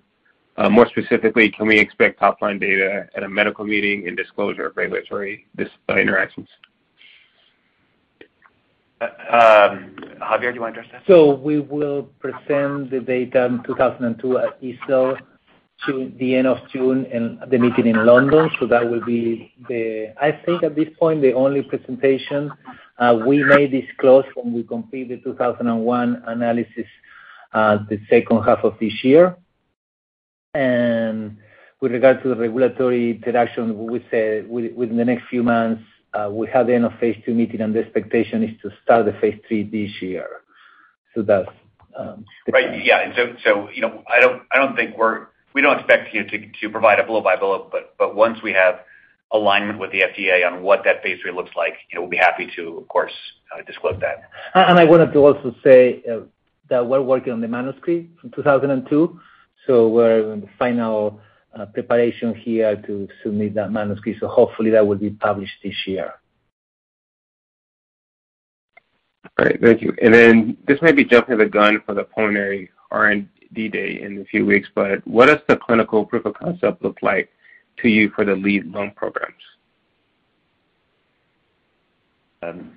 More specifically, can we expect top line data at a medical meeting and disclosure of regulatory interactions? Javier, do you want to address that? We will present the data in 2002 at EASL to the end of June and the meeting in London. That will be the, I think at this point, the only presentation. We may disclose when we complete the 2001 analysis, the second half of this year. With regard to the regulatory interaction, we say within the next few months, we have the end of Phase 2 meeting, and the expectation is to start the Phase 3 this year. That's Right. Yeah. You know, we don't expect you to provide a bullet by bullet. But once we have alignment with the FDA on what that Phase 3 looks like, you know, we'll be happy to, of course, disclose that. I wanted to also say that we're working on the manuscript from 2002, so we're in the final preparation here to submit that manuscript. Hopefully that will be published this year. All right. Thank you. This may be jumping the gun for the pulmonary R&D day in a few weeks, but what does the clinical proof of concept look like to you for the lead lung programs?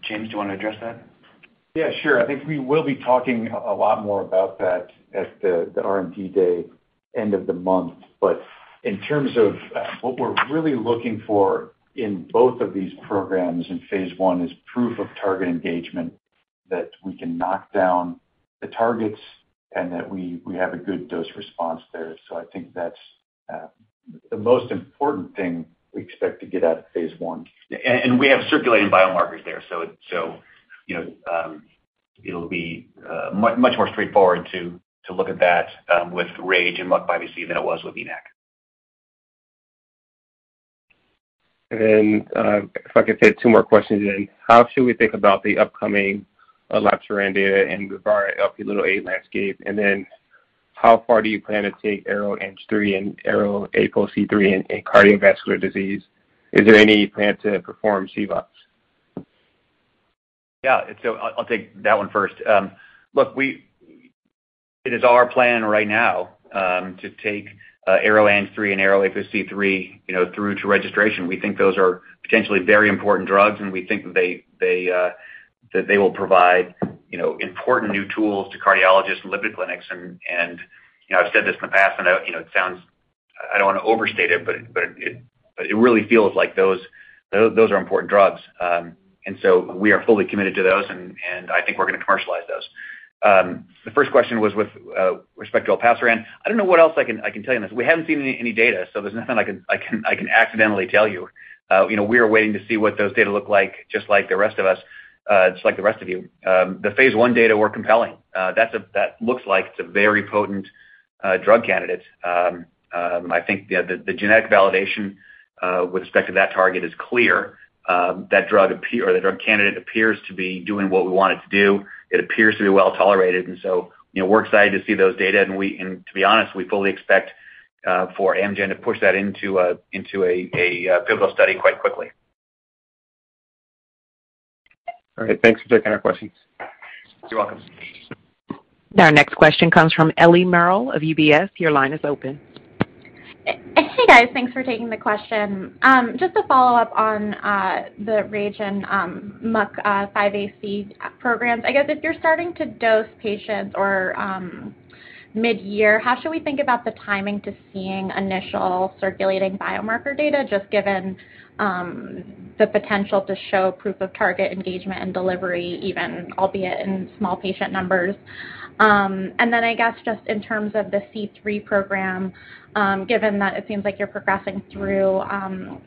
James, do you want to address that? Yeah, sure. I think we will be talking a lot more about that at the R&D day end of the month. In terms of what we're really looking for in both of these programs in Phase 1 is proof of target engagement that we can knock down the targets and that we have a good dose response there. I think that's the most important thing we expect to get out of Phase 1. We have circulating biomarkers there. You know, it'll be much more straightforward to look at that with RAGE and MUC5AC than it was with ENaC. If I could fit two more questions in. How should we think about the upcoming Olpasiran data and broader Lp(a) landscape? How far do you plan to take ARO-ANG3 and ARO-APOC3 in cardiovascular disease? Is there any plan to perform CVOTs? Yeah. I'll take that one first. Look, it is our plan right now to take ARO-ANG3 and ARO-APOC3, you know, through to registration. We think those are potentially very important drugs, and we think that they will provide, you know, important new tools to cardiologists and lipid clinics. You know, I've said this in the past, and I, you know, it sounds. I don't want to overstate it, but it really feels like those are important drugs. We are fully committed to those and I think we're going to commercialize those. The first question was with respect to Olpasiran. I don't know what else I can tell you on this. We haven't seen any data, so there's nothing I can accidentally tell you. You know, we are waiting to see what those data look like, just like the rest of us, just like the rest of you. The Phase 1 data were compelling. That looks like it's a very potent drug candidate. I think the genetic validation with respect to that target is clear. The drug candidate appears to be doing what we want it to do. It appears to be well-tolerated. You know, we're excited to see those data. To be honest, we fully expect for Amgen to push that into a pivotal study quite quickly. All right. Thanks for taking our questions. You're welcome. Our next question comes from Ellie Merle of UBS. Your line is open. Hey, guys. Thanks for taking the question. Just to follow up on the RAGE and MUC5AC programs. I guess if you're starting to dose patients or mid-year, how should we think about the timing to seeing initial circulating biomarker data, just given the potential to show proof of target engagement and delivery, even albeit in small patient numbers? And then I guess just in terms of the C3 program, given that it seems like you're progressing through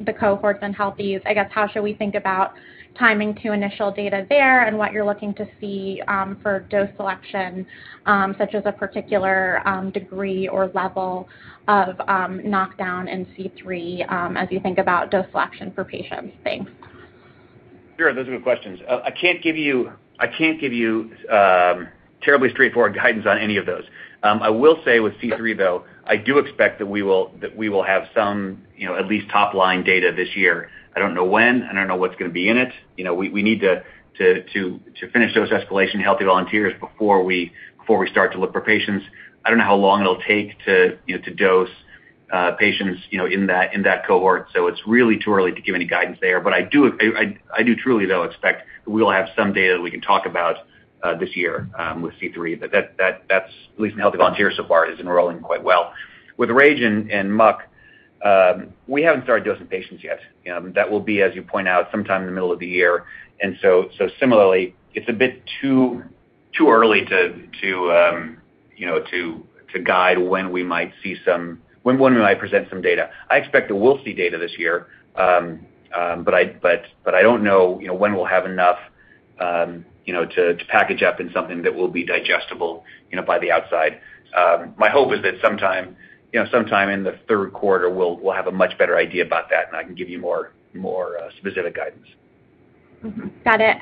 the cohorts in healthy, I guess how should we think about timing to initial data there and what you're looking to see for dose selection, such as a particular degree or level of knockdown in C3, as you think about dose selection for patients? Thanks. Sure. Those are good questions. I can't give you terribly straightforward guidance on any of those. I will say with C3, though, I do expect that we will have some, you know, at least top-line data this year. I don't know when, I don't know what's going to be in it. You know, we need to finish dose escalation in healthy volunteers before we start to look for patients. I don't know how long it'll take to, you know, to dose patients, you know, in that cohort. It's really too early to give any guidance there. I do truly, though, expect we will have some data that we can talk about this year with C3. That's at least in healthy volunteers so far is enrolling quite well. With RAGE and MUC, we haven't started dosing patients yet. That will be, as you point out, sometime in the middle of the year. So similarly, it's a bit too early to guide when we might present some data. I expect that we'll see data this year. But I don't know, you know, when we'll have enough, you know, to package up in something that will be digestible, you know, by the outside. My hope is that sometime, you know, sometime in the third quarter, we'll have a much better idea about that, and I can give you more specific guidance. Got it.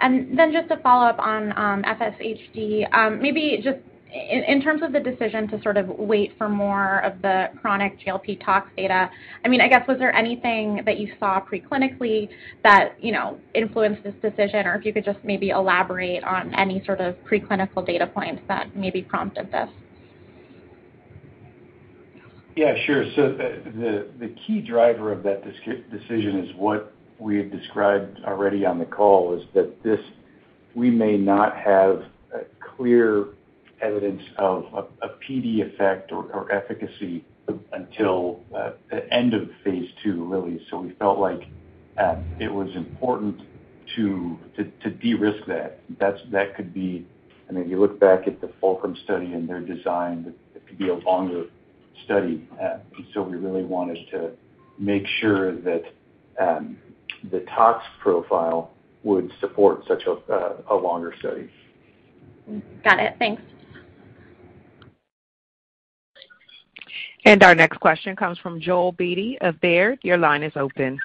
Just a follow-up on FSHD. Maybe just in terms of the decision to sort of wait for more of the chronic GLP tox data, I mean, I guess was there anything that you saw pre-clinically that, you know, influenced this decision? Or if you could just maybe elaborate on any sort of pre-clinical data points that maybe prompted this. Yeah, sure. The key driver of that decision is what we have described already on the call, is that we may not have clear evidence of a PD effect or efficacy until the end of Phase 2, really. We felt like it was important to de-risk that. That could be. I mean, if you look back at the Fulcrum study and their design, it could be a longer study. We really wanted to make sure that the tox profile would support such a longer study. Got it. Thanks. Our next question comes from Joel Beatty of Baird. Your line is open.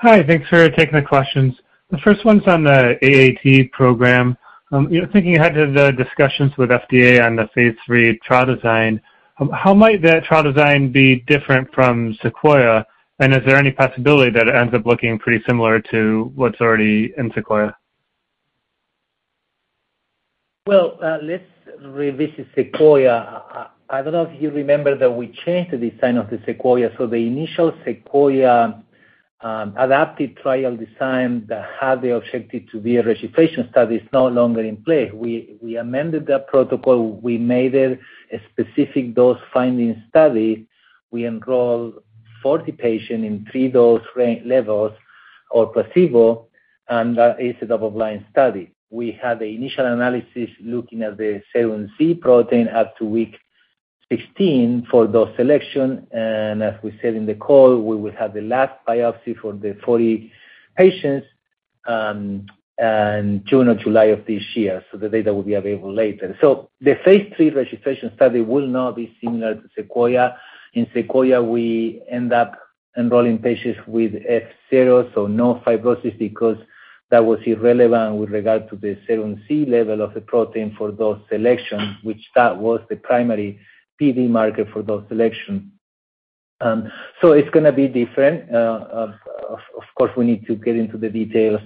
Hi. Thanks for taking the questions. The first one's on the AAT program. You know, thinking ahead to the discussions with FDA on the Phase 3 trial design, how might that trial design be different from SEQUOIA? And is there any possibility that it ends up looking pretty similar to what's already in SEQUOIA? Well, let's revisit SEQUOIA. I don't know if you remember that we changed the design of the SEQUOIA. The initial SEQUOIA adaptive trial design that had the objective to be a registration study is no longer in play. We amended that protocol. We made it a specific dose-finding study. We enrolled 40 patients in three dose range levels or placebo, and that is a double-blind study. We had the initial analysis looking at the serum AAT protein up to week 16 for dose selection. As we said in the call, we will have the last biopsy for the 40 patients in June or July of this year. The data will be available later. The Phase 3 registration study will now be similar to SEQUOIA. In SEQUOIA, we end up enrolling patients with F0, so no fibrosis, because that was irrelevant with regard to the serum level of the protein for dose selection, which was the primary PD marker for dose selection. It's gonna be different. Of course, we need to get into the details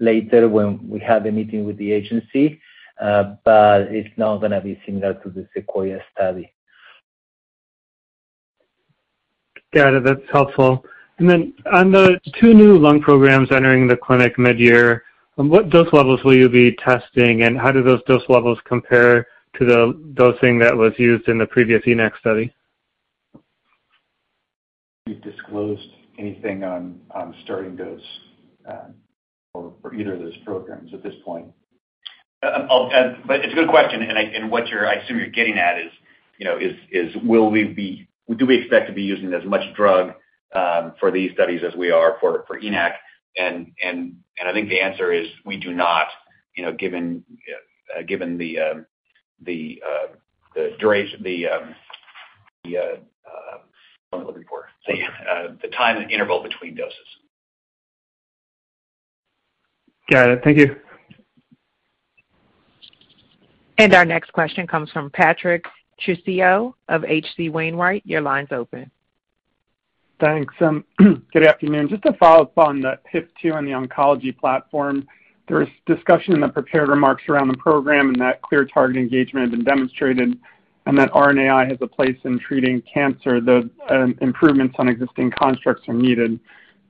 later when we have a meeting with the agency, but it's not gonna be similar to the SEQUOIA study. Got it. That's helpful. On the two new lung programs entering the clinic midyear, what dose levels will you be testing, and how do those dose levels compare to the dosing that was used in the previous ENaC study? We've disclosed anything on starting dose for either of those programs at this point. It's a good question and what you're, I assume you're getting at is, you know, do we expect to be using as much drug for these studies as we are for ENaC? I think the answer is we do not, you know, given the duration, the time interval between doses. Got it. Thank you. Our next question comes from Patrick Trucchio of H.C. Wainwright. Your line's open. Thanks. Good afternoon. Just to follow up on the HIF-2 and the oncology platform, there was discussion in the prepared remarks around the program and that clear target engagement had been demonstrated and that RNAi has a place in treating cancer. The improvements on existing constructs are needed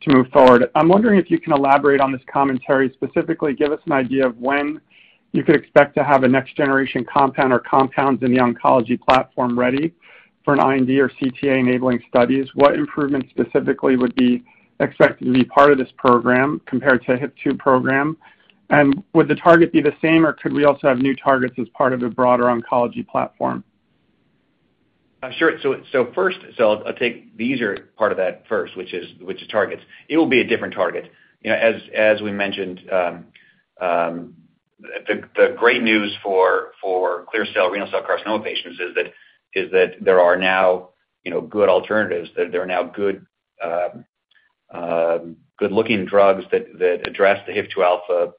to move forward. I'm wondering if you can elaborate on this commentary. Specifically, give us an idea of when you could expect to have a next-generation compound or compounds in the oncology platform ready for an IND or CTA-enabling studies. What improvements specifically would be expected to be part of this program compared to HIF-2 program? And would the target be the same, or could we also have new targets as part of a broader oncology platform? Sure. First, I'll take the easier part of that first, which is targets. It will be a different target. As we mentioned, the great news for clear cell renal cell carcinoma patients is that there are now good alternatives. There are now good-looking drugs that address the HIF-2 alpha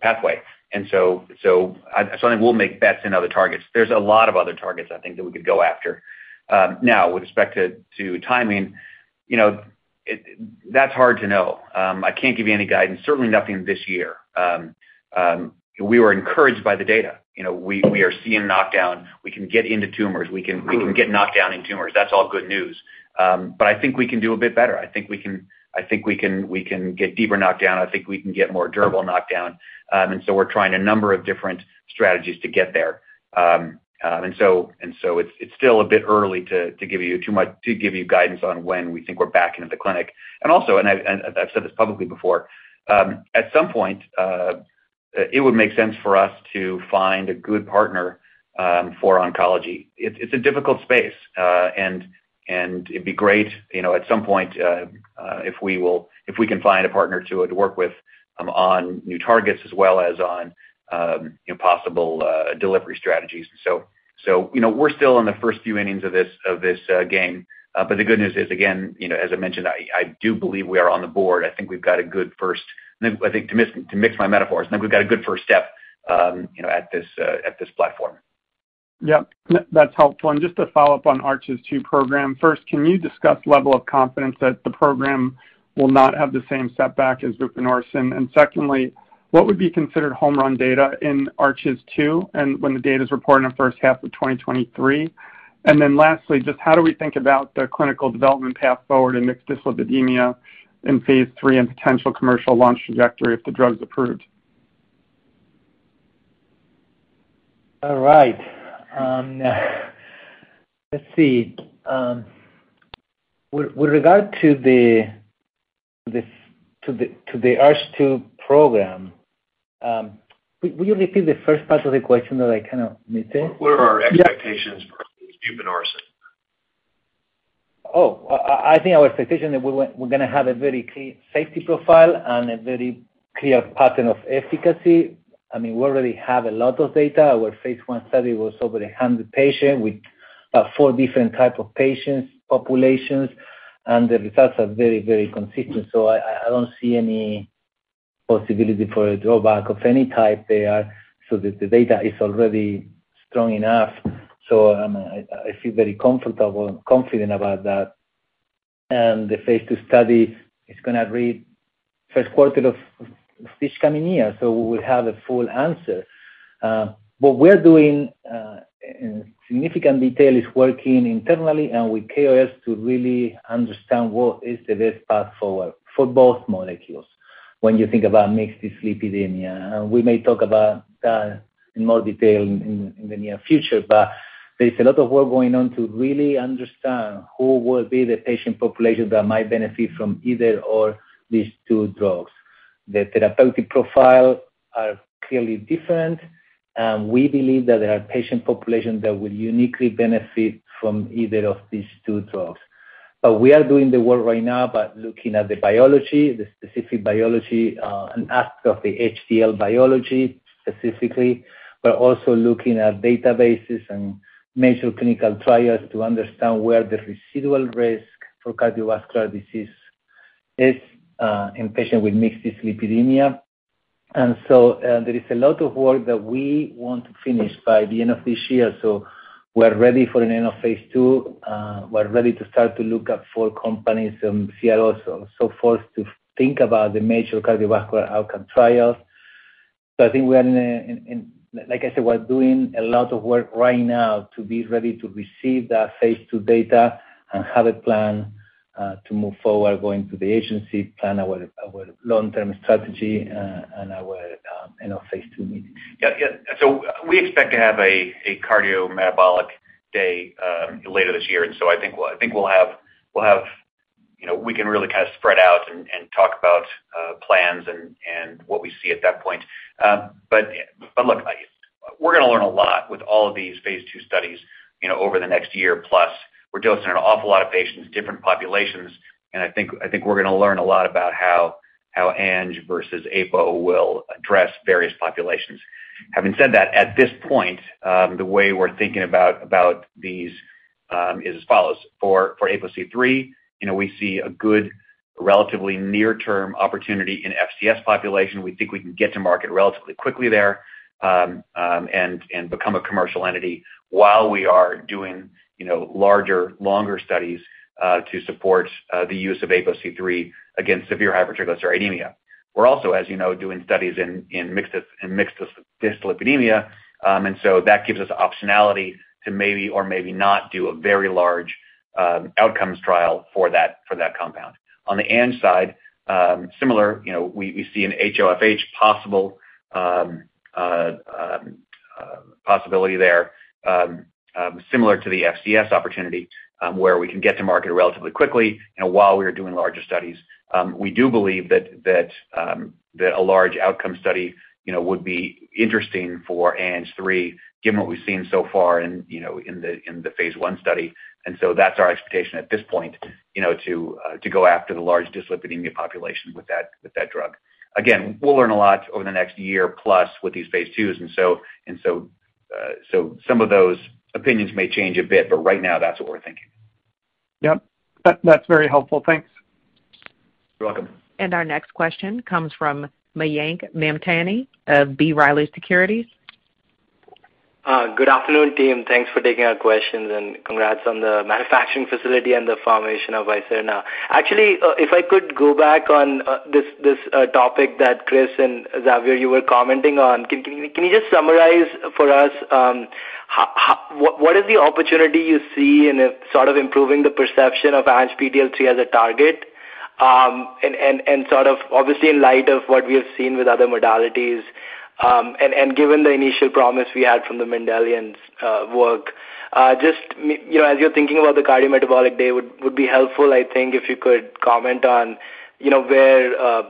pathway. I think we'll make bets in other targets. There's a lot of other targets I think that we could go after. Now with respect to timing, you know, it's hard to know. I can't give you any guidance, certainly nothing this year. We were encouraged by the data. We are seeing knockdown. We can get into tumors. We can get knockdown in tumors. That's all good news. I think we can do a bit better. I think we can get deeper knockdown. I think we can get more durable knockdown. We're trying a number of different strategies to get there. It's still a bit early to give you guidance on when we think we're back into the clinic. Also, I've said this publicly before, at some point, it would make sense for us to find a good partner for oncology. It's a difficult space, and it'd be great, you know, at some point, if we can find a partner to work with on new targets as well as on, you know, possible delivery strategies. You know, we're still in the first few innings of this game. The good news is, again, you know, as I mentioned, I do believe we are on the board. I think to mix my metaphors, I think we've got a good first step, you know, at this platform. Yep. That's helpful. Just to follow up on ARCHES-2 program. First, can you discuss level of confidence that the program will not have the same setback as Vupanorsen? Secondly, what would be considered home run data in ARCHES-2 and when the data is reported in the first half of 2023? Then lastly, just how do we think about the clinical development path forward in mixed dyslipidemia in Phase 3 and potential commercial launch trajectory if the drug's approved? All right. Let's see. With regard to the ARCHES-2 program, will you repeat the first part of the question that I kind of missed it? What are our expectations for Vupanorsen? I think our expectation that we're gonna have a very clear safety profile and a very clear pattern of efficacy. I mean, we already have a lot of data. Our Phase 1 study was over 100 patients with 4 different types of patient populations, and the results are very, very consistent. I don't see any possibility for a drawback of any type there. The data is already strong enough, I feel very comfortable and confident about that. The Phase 2 study is gonna read first quarter of this coming year, we will have a full answer. What we're doing in significant detail is working internally and with KOLs to really understand what is the best path forward for both molecules when you think about mixed dyslipidemia. We may talk about that in more detail in the near future. There's a lot of work going on to really understand who will be the patient population that might benefit from either of these two drugs. The therapeutic profile are clearly different, and we believe that there are patient populations that will uniquely benefit from either of these two drugs. We are doing the work right now by looking at the biology, the specific biology, and aspect of the HDL biology specifically. We're also looking at databases and major clinical trials to understand where the residual risk for cardiovascular disease is, in patients with mixed dyslipidemia. There is a lot of work that we want to finish by the end of this year, so we're ready for an end of Phase two. We're ready to start to look at four companies and CROs so forth to think about the major cardiovascular outcome trials. I think we are in a, like I said, we're doing a lot of work right now to be ready to receive that Phase 2 data and have a plan to move forward going to the agency, plan our long-term strategy and our end of Phase 2 meeting. Yeah. So we expect to have a cardiometabolic day later this year. I think we'll have you know we can really kind of spread out and talk about plans and what we see at that point. But look, we're gonna learn a lot with all of these Phase 2 studies you know over the next year plus. We're dosing an awful lot of patients, different populations, and I think we're gonna learn a lot about how ANG3 versus ARO-APOC3 will address various populations. Having said that, at this point the way we're thinking about these is as follows. For APOC3 you know we see a good relatively near-term opportunity in FCS population. We think we can get to market relatively quickly there, and become a commercial entity while we are doing, you know, larger, longer studies to support the use of APOC3 against severe hypertriglyceridemia. We're also, as you know, doing studies in mixed dyslipidemia, and so that gives us optionality to maybe or maybe not do a very large outcomes trial for that compound. On the ANG3 side, similar, you know, we see an HoFH possibility there, similar to the FCS opportunity, where we can get to market relatively quickly, you know, while we are doing larger studies. We do believe that a large outcome study, you know, would be interesting for ARO-ANG3 given what we've seen so far in, you know, in the Phase 1 study. That's our expectation at this point, you know, to go after the large dyslipidemia population with that drug. Again, we'll learn a lot over the next year plus with these Phase 2s. So some of those opinions may change a bit, but right now that's what we're thinking. Yep. That's very helpful. Thanks. You're welcome. Our next question comes from Mayank Mamtani of B. Riley Securities. Good afternoon, team. Thanks for taking our questions, and congrats on the manufacturing facility and the formation of Visirna. Actually, if I could go back on this topic that Chris and Javier, you were commenting on. Can you just summarize for us what is the opportunity you see in sort of improving the perception of ANGPTL3 as a target? And sort of obviously in light of what we have seen with other modalities, and given the initial promise we had from the Mendelian work. Just, you know, as you're thinking about the cardiometabolic day, would be helpful, I think if you could comment on, you know, where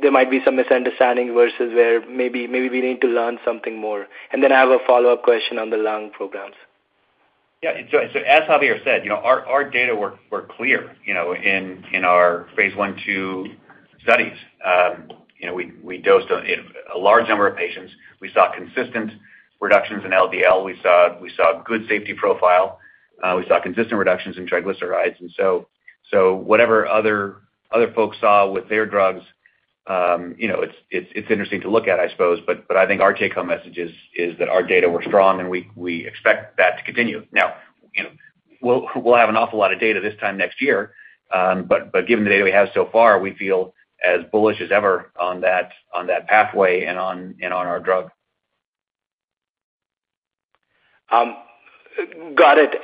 there might be some misunderstanding versus where maybe we need to learn something more. I have a follow-up question on the lung programs. Yeah, as Javier said, you know, our data were clear, you know, in our Phase I/II studies. You know, we dosed in a large number of patients. We saw consistent reductions in LDL. We saw good safety profile. We saw consistent reductions in triglycerides. Whatever other folks saw with their drugs, you know, it's interesting to look at, I suppose, but I think our take-home message is that our data were strong, and we expect that to continue. Now, you know, we'll have an awful lot of data this time next year, but given the data we have so far, we feel as bullish as ever on that pathway and on our drug. Got it.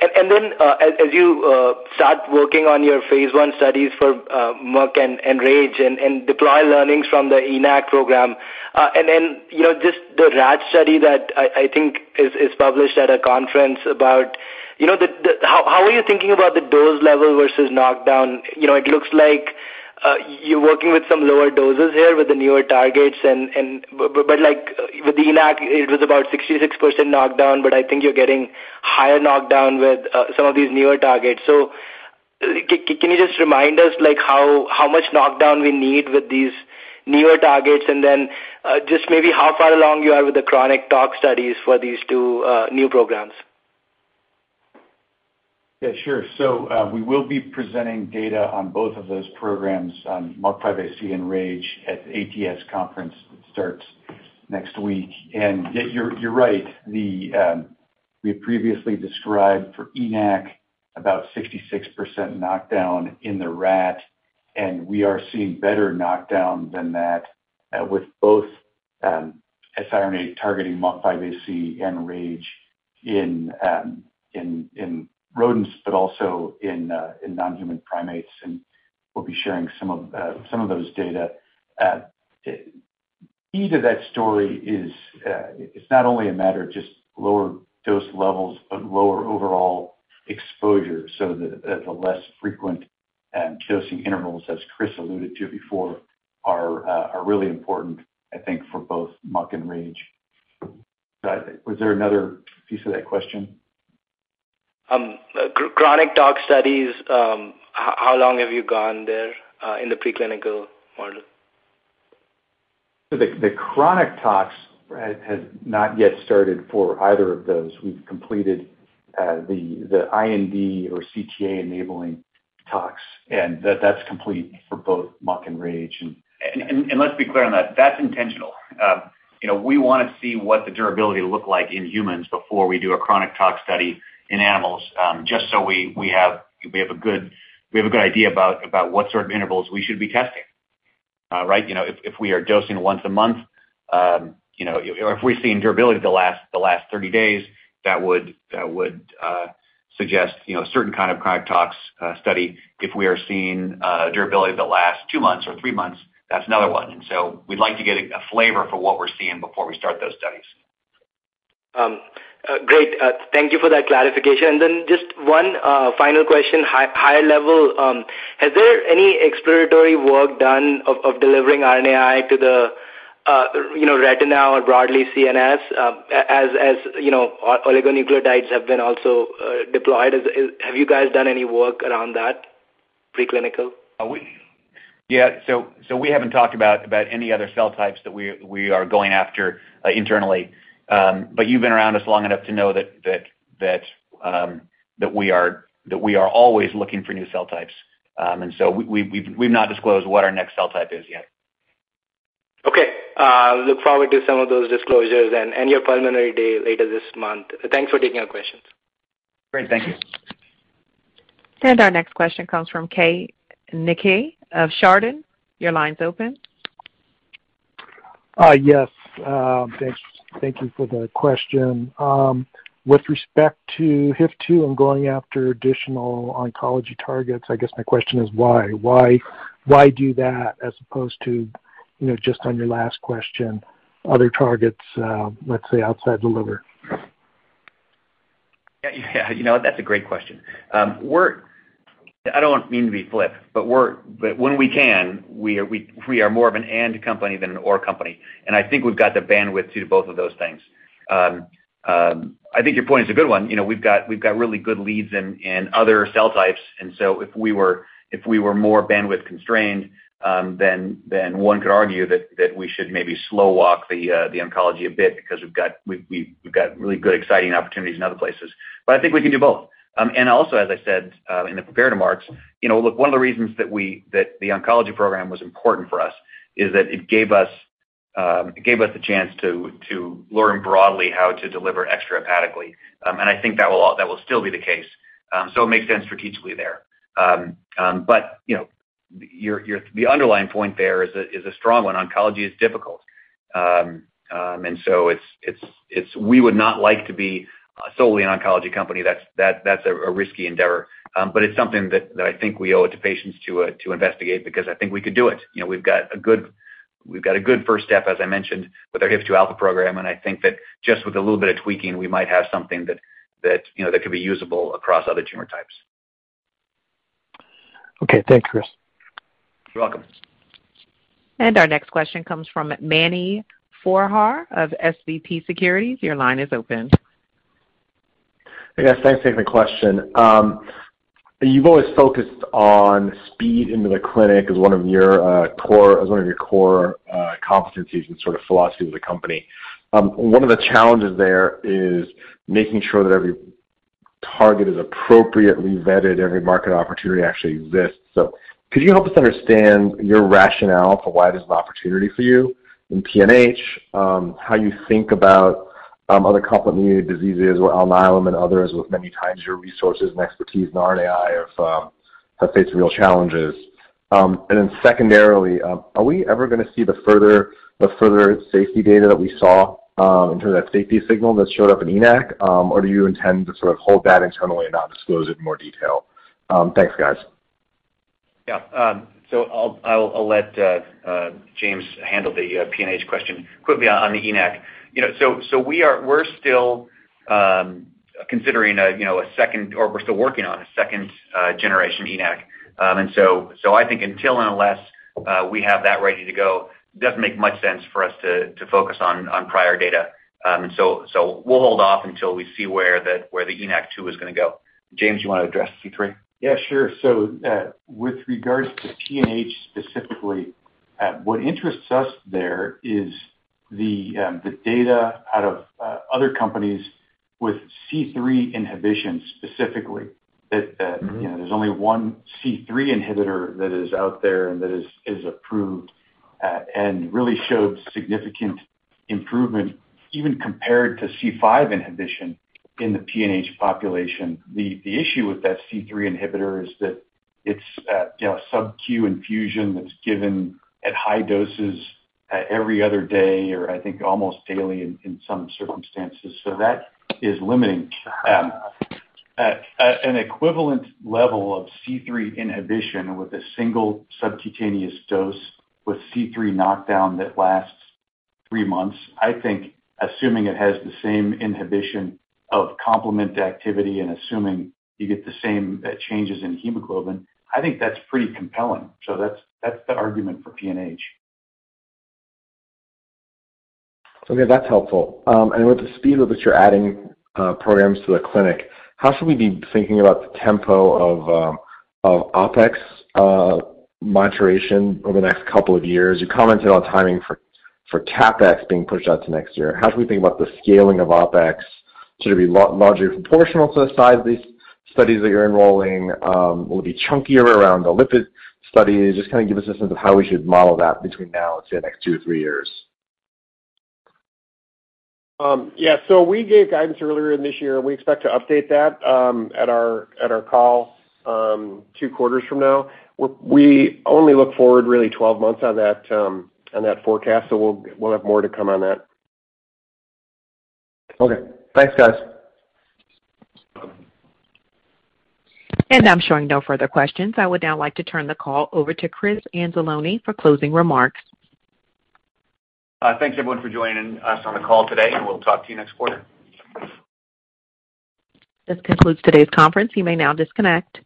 As you start working on your Phase I studies for MUC and RAGE and deploy learnings from the ENaC program, you know, just the rat study that I think is published at a conference about, you know, how are you thinking about the dose level versus knockdown? You know, it looks like you're working with some lower doses here with the newer targets. But like with the ENaC, it was about 66% knockdown, but I think you're getting higher knockdown with some of these newer targets. Can you just remind us like how much knockdown we need with these newer targets? Just maybe how far along you are with the chronic tox studies for these two new programs. Yeah, sure. We will be presenting data on both of those programs, MUC5AC and RAGE, at the ATS conference that starts next week. Yeah, you're right. We had previously described for ENaC about 66% knockdown in the rat, and we are seeing better knockdown than that, with both siRNA targeting MUC5AC and RAGE in rodents, but also in non-human primates, and we'll be sharing some of those data. Key to that story is, it's not only a matter of just lower dose levels, but lower overall exposure so that the less frequent dosing intervals, as Chris alluded to before, are really important, I think, for both MUC and RAGE. Was there another piece of that question? Chronic tox studies, how long have you gone there, in the preclinical model? The chronic tox has not yet started for either of those. We've completed the IND or CTA-enabling tox, and that's complete for both MUC and RAGE. Let's be clear on that. That's intentional. You know, we wanna see what the durability will look like in humans before we do a chronic tox study in animals, just so we have a good idea about what sort of intervals we should be testing. Right? You know, if we are dosing once a month, you know, or if we're seeing durability the last 30 days, that would suggest, you know, a certain kind of chronic tox study. If we are seeing durability that lasts 2 months or 3 months, that's another one. We'd like to get a flavor for what we're seeing before we start those studies. Great. Thank you for that clarification. Just one final question, high level. Has there any exploratory work done of delivering RNAi to the, you know, retina or broadly CNS, as you know, oligonucleotides have been also deployed? Have you guys done any work around that preclinical? We haven't talked about any other cell types that we are going after internally. You've been around us long enough to know that we are always looking for new cell types. We have not disclosed what our next cell type is yet. Okay. Look forward to some of those disclosures and your preliminary data later this month. Thanks for taking our questions. Great. Thank you. Our next question comes from Keay Nakae of Chardan. Your line's open. Yes. Thanks. Thank you for the question. With respect to HIF-2 and going after additional oncology targets, I guess my question is why? Why do that as opposed to, you know, just on your last question, other targets, let's say, outside the liver? Yeah. You know what? That's a great question. I don't mean to be flip, but when we can, we are more of an and company than an or company, and I think we've got the bandwidth to do both of those things. I think your point is a good one. You know, we've got really good leads in other cell types. If we were more bandwidth-constrained, then one could argue that we should maybe slow walk the oncology a bit because we've got really good, exciting opportunities in other places. I think we can do both. As I said in the prepared remarks, you know, look, one of the reasons that the oncology program was important for us is that it gave us a chance to learn broadly how to deliver extrahepatically. I think that will still be the case. It makes sense strategically there. You know, your... The underlying point there is a strong one. Oncology is difficult. We would not like to be solely an oncology company. That's a risky endeavor. It's something that I think we owe it to patients to investigate because I think we could do it. You know, we've got a good first step, as I mentioned, with our HIF-2 alpha program, and I think that just with a little bit of tweaking, we might have something that you know that could be usable across other tumor types. Okay. Thanks, Chris. You're welcome. Our next question comes from Mani Foroohar of SVB Securities. Your line is open. Yes, thanks for taking the question. You've always focused on speed into the clinic as one of your core competencies and sort of philosophy of the company. One of the challenges there is making sure that every target is appropriately vetted, every market opportunity actually exists. Could you help us understand your rationale for why there's an opportunity for you in PNH? How you think about other complement-mediated diseases with Alnylam and others with many times your resources and expertise in RNAi have faced real challenges. Then secondarily, are we ever gonna see the further safety data that we saw in terms of that safety signal that showed up in ARO-ENaC? Or do you intend to sort of hold that internally and not disclose it in more detail? Thanks, guys. Yeah. I'll let James handle the PNH question quickly on the ARO-ENaC. You know, we're still working on a second generation ARO-ENaC. I think until and unless we have that ready to go, it doesn't make much sense for us to focus on prior data. We'll hold off until we see where the ARO-ENaC two is gonna go. James, you wanna address C3? Yeah, sure. With regards to PNH specifically, what interests us there is the data out of other companies with C3 inhibition specifically. Mm-hmm. You know, there's only one C3 inhibitor that is out there and that is approved and really showed significant improvement even compared to C5 inhibition in the PNH population. The issue with that C3 inhibitor is that it's, you know, subQ infusion that's given at high doses every other day, or I think almost daily in some circumstances. That is limiting. An equivalent level of C3 inhibition with a single subcutaneous dose with C3 knockdown that lasts three months, I think assuming it has the same inhibition of complement activity and assuming you get the same changes in hemoglobin, I think that's pretty compelling. That's the argument for PNH. Okay, that's helpful. With the speed with which you're adding programs to the clinic, how should we be thinking about the tempo of OpEx moderation over the next couple of years? You commented on timing for CapEx being pushed out to next year. How should we think about the scaling of OpEx? Should it be largely proportional to the size of these studies that you're enrolling? Will it be chunkier around the lipid study? Just kinda give us a sense of how we should model that between now and, say, the next two to three years. Yeah. We gave guidance earlier in this year. We expect to update that at our call two quarters from now. We only look forward really 12 months on that forecast. We'll have more to come on that. Okay. Thanks, guys. I'm showing no further questions. I would now like to turn the call over to Chris Anzalone for closing remarks. Thanks everyone for joining us on the call today, and we'll talk to you next quarter. This concludes today's conference. You may now disconnect.